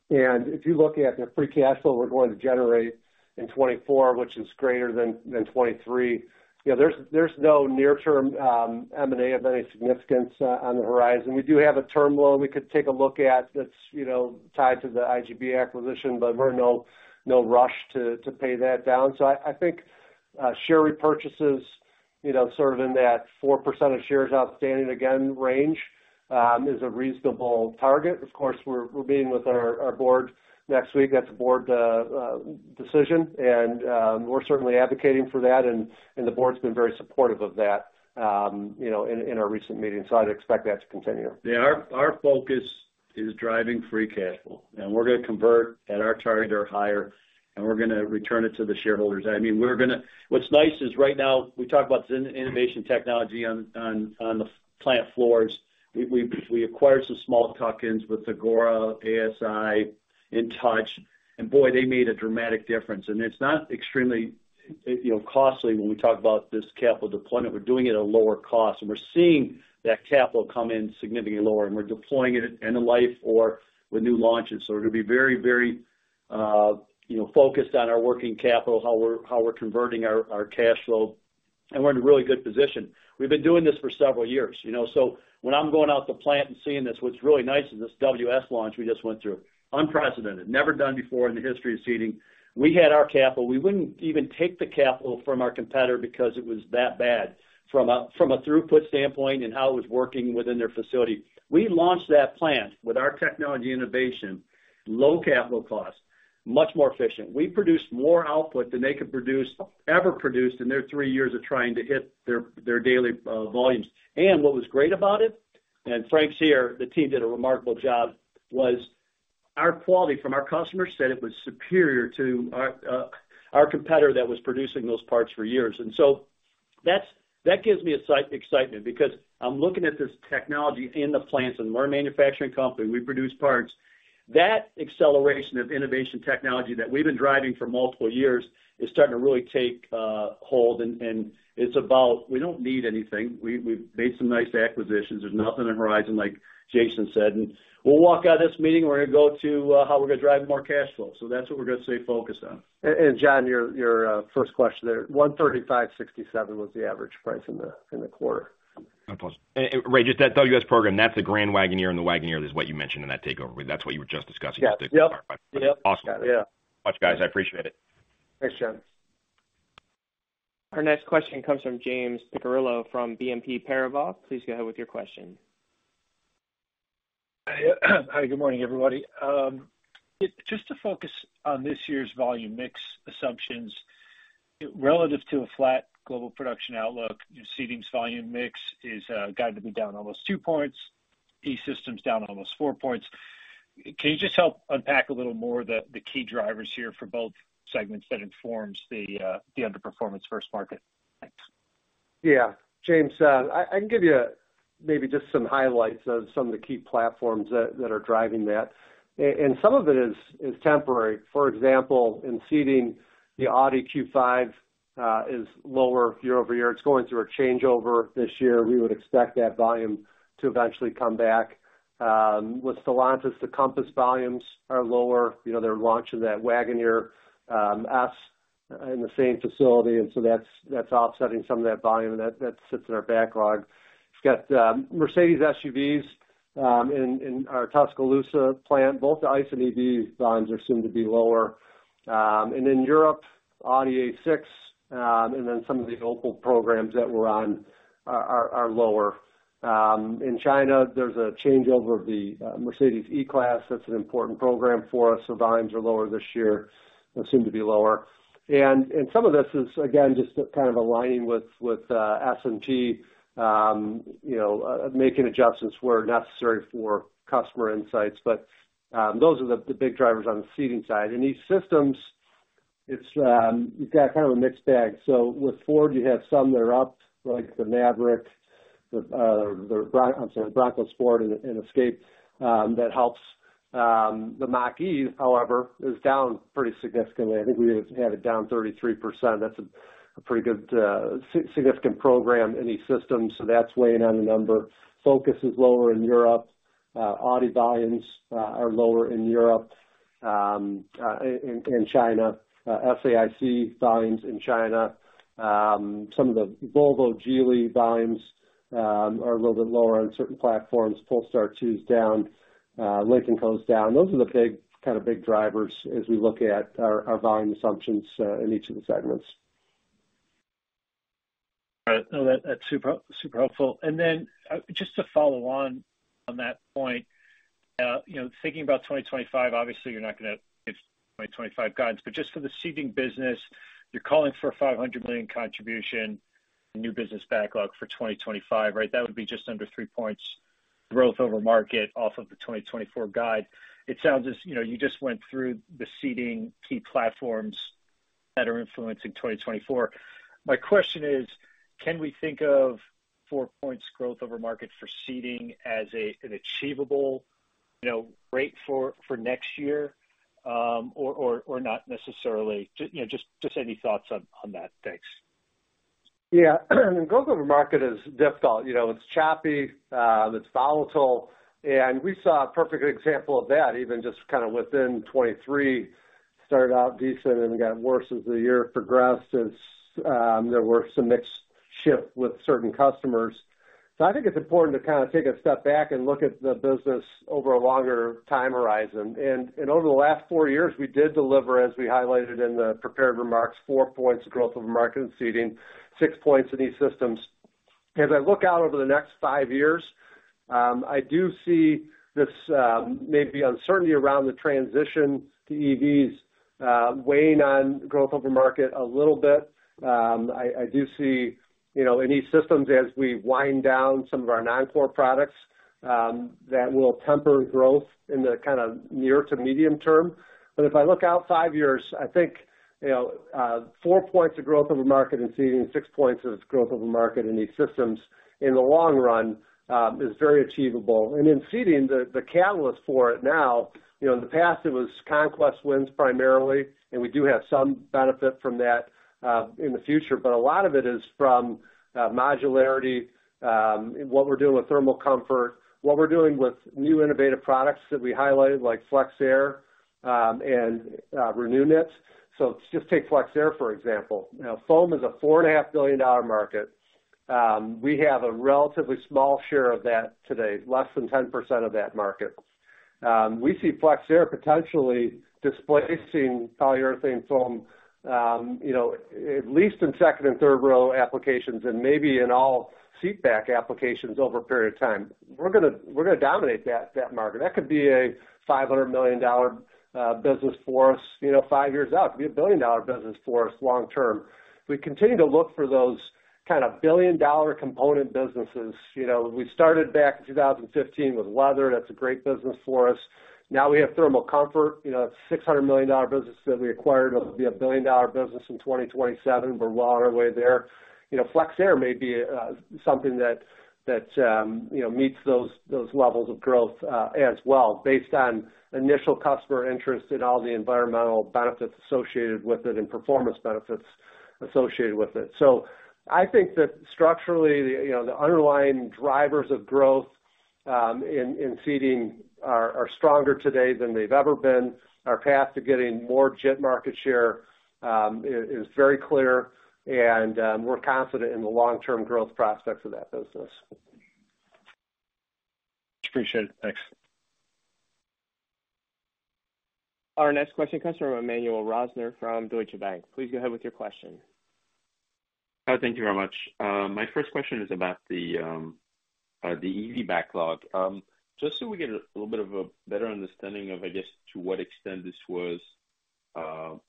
And if you look at the free cash flow we're going to generate in 2024, which is greater than 2023, you know, there's no near-term M&A of any significance on the horizon. We do have a term loan we could take a look at that's, you know, tied to the IGB acquisition, but we're in no rush to pay that down. So I think share repurchases, you know, sort of in that 4% of shares outstanding again range is a reasonable target. Of course, we're meeting with our board next week. That's a board decision, and we're certainly advocating for that, and the board's been very supportive of that, you know, in our recent meetings, so I'd expect that to continue. Yeah, our focus is driving free cash flow, and we're going to convert at our target or higher, and we're going to return it to the shareholders. I mean, we're going to. What's nice is right now, we talk about innovation technology on the plant floors. We acquired some small tuck-ins with Thagora, ASI, InTouch, and boy, they made a dramatic difference. And it's not extremely, you know, costly when we talk about this capital deployment. We're doing it at a lower cost, and we're seeing that capital come in significantly lower, and we're deploying it end of life or with new launches. So we're going to be very, very, you know, focused on our working capital, how we're converting our cash flow, and we're in a really good position. We've been doing this for several years, you know? When I'm going out to the plant and seeing this, what's really nice is this WS launch we just went through. Unprecedented. Never done before in the history of seating. We had our capital. We wouldn't even take the capital from our competitor because it was that bad from a, from a throughput standpoint and how it was working within their facility. We launched that plant with our technology innovation, low capital cost, much more efficient. We produced more output than they could produce, ever produced in their three years of trying to hit their, their daily volumes. And what was great about it, and Frank's here, the team did a remarkable job, was our quality from our customer said it was superior to our, our competitor that was producing those parts for years. And so that's that gives me excitement because I'm looking at this technology in the plants, and we're a manufacturing company, we produce parts. That acceleration of innovation technology that we've been driving for multiple years is starting to really take hold, and it's about we don't need anything. We, we've made some nice acquisitions. There's nothing on the horizon, like Jason said. And we'll walk out of this meeting, we're gonna go to how we're gonna drive more cash flow. So that's what we're gonna stay focused on. And John, your, your first question there, $135.67 was the average price in the quarter. No problem. And, Ray, just that WS program, that's the Grand Wagoneer and the Wagoneer is what you mentioned in that takeover. That's what you were just discussing with the- Yep. Yep. Awesome. Yeah. Thanks, guys. I appreciate it. Thanks, John. Our next question comes from James Picariello from BNP Paribas. Please go ahead with your question. Hi, good morning, everybody. Just to focus on this year's volume mix assumptions, relative to a flat global production outlook, your Seating volume mix is guided to be down almost 2 points, E-Systems down almost 4 points. Can you just help unpack a little more the key drivers here for both segments that informs the underperformance versus market? Thanks. Yeah, James, I can give you maybe just some highlights of some of the key platforms that are driving that. And some of it is temporary. For example, in seating, the Audi Q5 is lower year over year. It's going through a changeover this year. We would expect that volume to eventually come back. With Stellantis, the Compass volumes are lower. You know, they're launching that Wagoneer S in the same facility, and so that's offsetting some of that volume, and that sits in our backlog. It's got Mercedes SUVs in our Tuscaloosa plant. Both the ICE and EV volumes are soon to be lower. And in Europe, Audi A6, and then some of the Opel programs that we're on are lower. In China, there's a changeover of the Mercedes E-Class. That's an important program for us. So volumes are lower this year or soon to be lower. And some of this is, again, just kind of aligning with S&P, you know, making adjustments where necessary for customer insights. But those are the big drivers on the seating side. In E-Systems, it's you've got kind of a mixed bag. So with Ford, you have some that are up, like the Maverick, Bronco Sport and Escape, that helps. The Mach-E, however, is down pretty significantly. I think we had it down 33%. That's a pretty good significant program in E-Systems, so that's weighing on the number. Focus is lower in Europe. Audi volumes are lower in Europe, in China, SAIC volumes in China. Some of the Volvo Geely volumes are a little bit lower on certain platforms. Polestar 2 is down, Lincoln goes down. Those are the big, kind of, big drivers as we look at our volume assumptions in each of the segments. All right. Well, that's super, super helpful. And then, just to follow on, on that point, you know, thinking about 2025, obviously, you're not gonna give 2025 guidance, but just for the seating business, you're calling for a $500 million contribution, new business backlog for 2025, right? That would be just under 3 points growth over market off of the 2024 guide. It sounds as, you know, you just went through the seating key platforms that are influencing 2024. My question is, can we think of 4 points growth over market for seating as an achievable, you know, rate for next year, or not necessarily? You know, just any thoughts on that. Thanks. Yeah, growth over market is difficult. You know, it's choppy, it's volatile, and we saw a perfect example of that, even just kind of within 2023. Started out decent and then got worse as the year progressed, as there were some mixed shift with certain customers. So I think it's important to kind of take a step back and look at the business over a longer time horizon. Over the last four years, we did deliver, as we highlighted in the prepared remarks, four points of growth over market and seating, six points in E-Systems. As I look out over the next five years, I do see this, maybe uncertainty around the transition to EVs, weighing on growth over market a little bit. I do see, you know, in E-Systems, as we wind down some of our non-core products, that will temper growth in the kind of near to medium term. But if I look out five years, I think, you know, four points of growth over market and seating, six points of growth over market in E-Systems, in the long run, is very achievable. And in seating, the catalyst for it now, you know, in the past it was conquest wins primarily, and we do have some benefit from that, in the future, but a lot of it is from, modularity, what we're doing with thermal comfort, what we're doing with new innovative products that we highlighted, like FlexAir, and, ReNewKnit. So just take FlexAir, for example. You know, foam is a $4.5 billion market. We have a relatively small share of that today, less than 10% of that market. We see FlexAir potentially displacing polyurethane foam, you know, at least in second and third row applications and maybe in all seat back applications over a period of time. We're gonna dominate that market. That could be a $500 million business for us, you know, five years out. It could be a billion-dollar business for us long term. We continue to look for those kind of billion-dollar component businesses. You know, we started back in 2015 with leather. That's a great business for us. Now we have thermal comfort, you know, $600 million business that we acquired. It'll be a billion-dollar business in 2027. We're well on our way there. You know, FlexAir may be something that you know meets those levels of growth as well, based on initial customer interest in all the environmental benefits associated with it and performance benefits associated with it. So I think that structurally, you know, the underlying drivers of growth in Seating are stronger today than they've ever been. Our path to getting more JIT market share is very clear, and we're confident in the long-term growth prospects of that business. Appreciate it. Thanks. Our next question comes from Emmanuel Rosner from Deutsche Bank. Please go ahead with your question. Hi, thank you very much. My first question is about the EV backlog. Just so we get a little bit of a better understanding of, I guess, to what extent this was,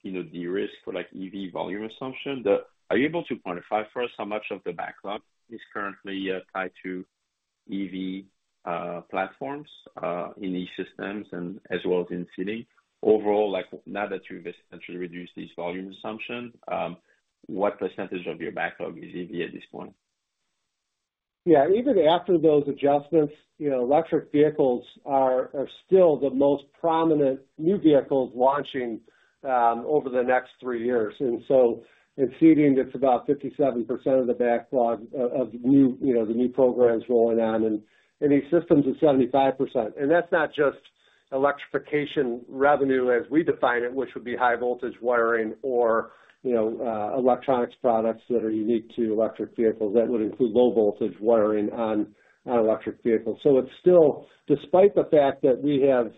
you know, de-risked for, like, EV volume assumption. Are you able to quantify for us how much of the backlog is currently tied to EV platforms in E-Systems and as well as in seating? Overall, like, now that you've essentially reduced these volume assumptions, what percentage of your backlog is EV at this point? Yeah, even after those adjustments, you know, electric vehicles are, are still the most prominent new vehicles launching over the next three years. And so in seating, it's about 57% of the backlog of new, you know, the new programs going on, and in E-Systems, it's 75%. And that's not just electrification revenue as we define it, which would be high voltage wiring or, you know, electronics products that are unique to electric vehicles. That would include low voltage wiring on electric vehicles. So it's still, despite the fact that we have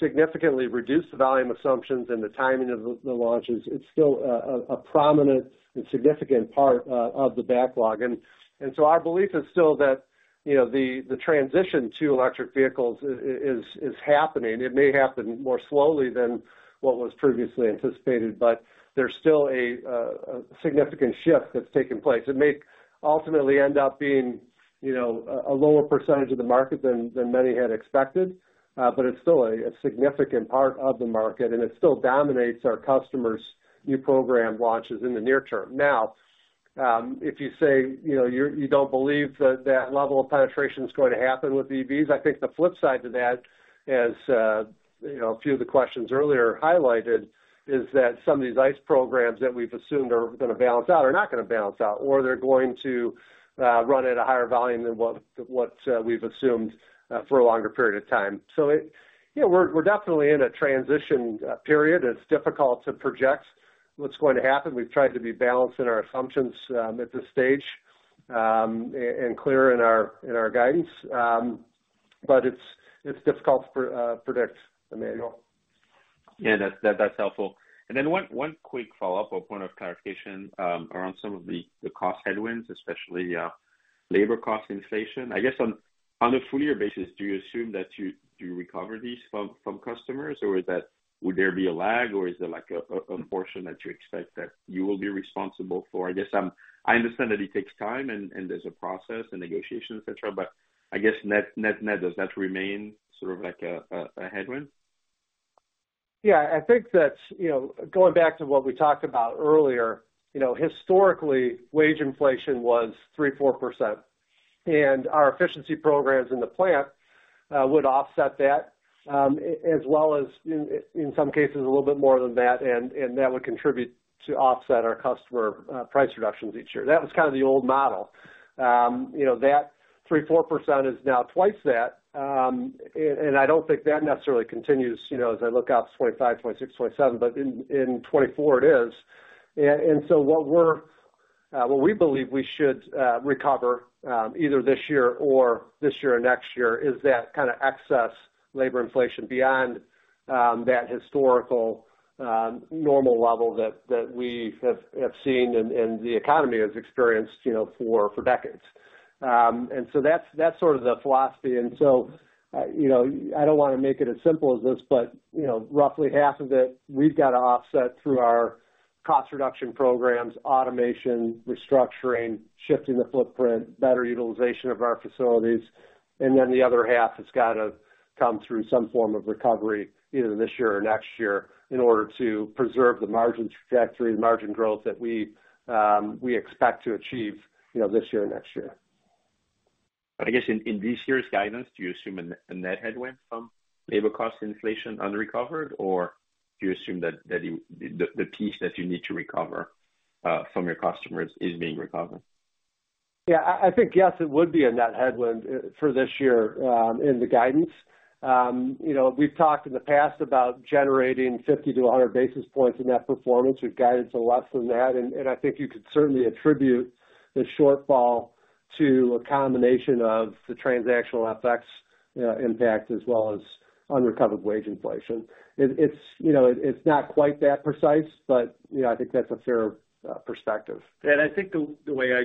significantly reduced the volume assumptions and the timing of the launches, it's still a prominent and significant part of the backlog. And so our belief is still that, you know, the transition to electric vehicles is happening. It may happen more slowly than what was previously anticipated, but there's still a significant shift that's taking place. It may ultimately end up being, you know, a lower percentage of the market than many had expected, but it's still a significant part of the market, and it still dominates our customers' new program launches in the near term. Now, if you say, you know, you don't believe that level of penetration is going to happen with EVs, I think the flip side to that, as you know, a few of the questions earlier highlighted, is that some of these ICE programs that we've assumed are gonna balance out are not gonna balance out, or they're going to run at a higher volume than what we've assumed for a longer period of time. So it. Yeah, we're definitely in a transition period. It's difficult to project what's going to happen. We've tried to be balanced in our assumptions at this stage, and clear in our guidance. But it's difficult to predict, Emmanuel. Yeah, that's helpful. And then one quick follow-up or point of clarification around some of the cost headwinds, especially labor cost inflation. I guess on a full year basis, do you assume that you recover these from customers, or is that would there be a lag, or is there like a portion that you expect you will be responsible for? I guess I'm I understand that it takes time and there's a process and negotiation, et cetera, but I guess net does that remain sort of like a headwind? Yeah, I think that's, you know, going back to what we talked about earlier, you know, historically, wage inflation was 3%-4%, and our efficiency programs in the plant would offset that, as well as in, in some cases, a little bit more than that, and, and that would contribute to offset our customer price reductions each year. That was kind of the old model. You know, that 3%-4% is now twice that, and, and I don't think that necessarily continues, you know, as I look out to 2025, 2026, 2027, but in, in 2024 it is. And so what we believe we should recover, either this year or this year or next year, is that kind of excess labor inflation beyond that historical normal level that we have seen and the economy has experienced, you know, for decades. And so that's sort of the philosophy. And so, you know, I don't want to make it as simple as this, but, you know, roughly half of it, we've got to offset through our cost reduction programs, automation, restructuring, shifting the footprint, better utilization of our facilities. And then the other half has got to come through some form of recovery, either this year or next year, in order to preserve the margin trajectory, the margin growth that we expect to achieve, you know, this year or next year. I guess in this year's guidance, do you assume a net headwind from labor cost inflation unrecovered, or do you assume that you—the piece that you need to recover from your customers is being recovered? Yeah, I think yes, it would be a net headwind for this year in the guidance. You know, we've talked in the past about generating 50-100 basis points in that performance. We've guided to less than that, and I think you could certainly attribute the shortfall to a combination of the transactional effects, impact, as well as unrecovered wage inflation. It's you know, it's not quite that precise, but you know, I think that's a fair perspective. I think the way I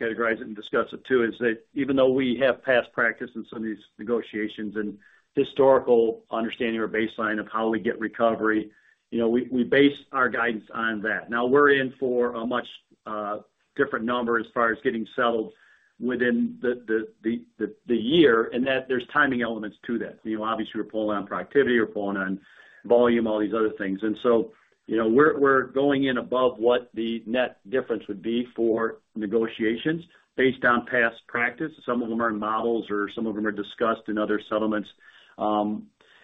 categorize it and discuss it, too, is that even though we have past practice in some of these negotiations and historical understanding or baseline of how we get recovery, you know, we base our guidance on that. Now we're in for a much different number as far as getting settled within the year, and that there's timing elements to that. You know, obviously, we're pulling on productivity, we're pulling on volume, all these other things. And so, you know, we're going in above what the net difference would be for negotiations based on past practice. Some of them are in models, or some of them are discussed in other settlements.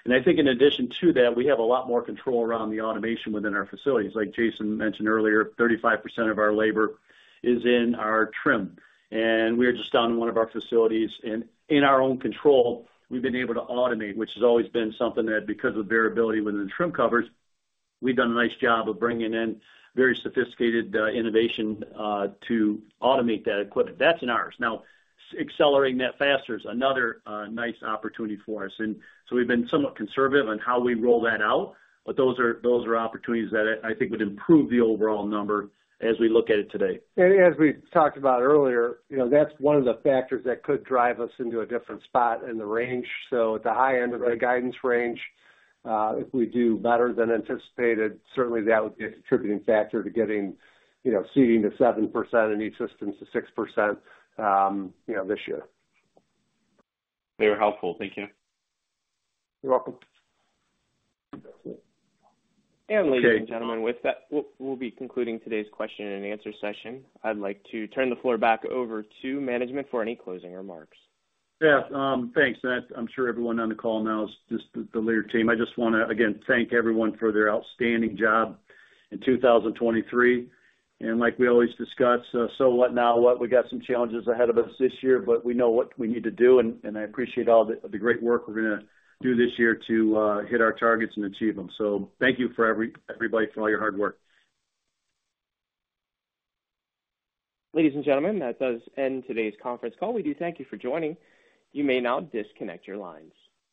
And I think in addition to that, we have a lot more control around the automation within our facilities. Like Jason mentioned earlier, 35% of our labor is in our trim, and we are just down in one of our facilities, and in our own control, we've been able to automate, which has always been something that because of variability within the trim covers, we've done a nice job of bringing in very sophisticated innovation to automate that equipment. That's in ours. Now, accelerating that faster is another nice opportunity for us. And so we've been somewhat conservative on how we roll that out, but those are, those are opportunities that I, I think would improve the overall number as we look at it today. As we talked about earlier, you know, that's one of the factors that could drive us into a different spot in the range. So at the high end of the guidance range, if we do better than anticipated, certainly that would be a contributing factor to getting, you know, Seating to 7% and E-Systems to 6%, you know, this year. Very helpful. Thank you. You're welcome. Ladies and gentlemen, with that, we'll, we'll be concluding today's question and answer session. I'd like to turn the floor back over to management for any closing remarks. Yeah, thanks. And I'm sure everyone on the call knows just the Lear team. I just wanna, again, thank everyone for their outstanding job in 2023. And like we always discuss, so what now what? We got some challenges ahead of us this year, but we know what we need to do, and I appreciate all the great work we're gonna do this year to hit our targets and achieve them. So thank you for everybody, for all your hard work. Ladies and gentlemen, that does end today's conference call. We do thank you for joining. You may now disconnect your lines.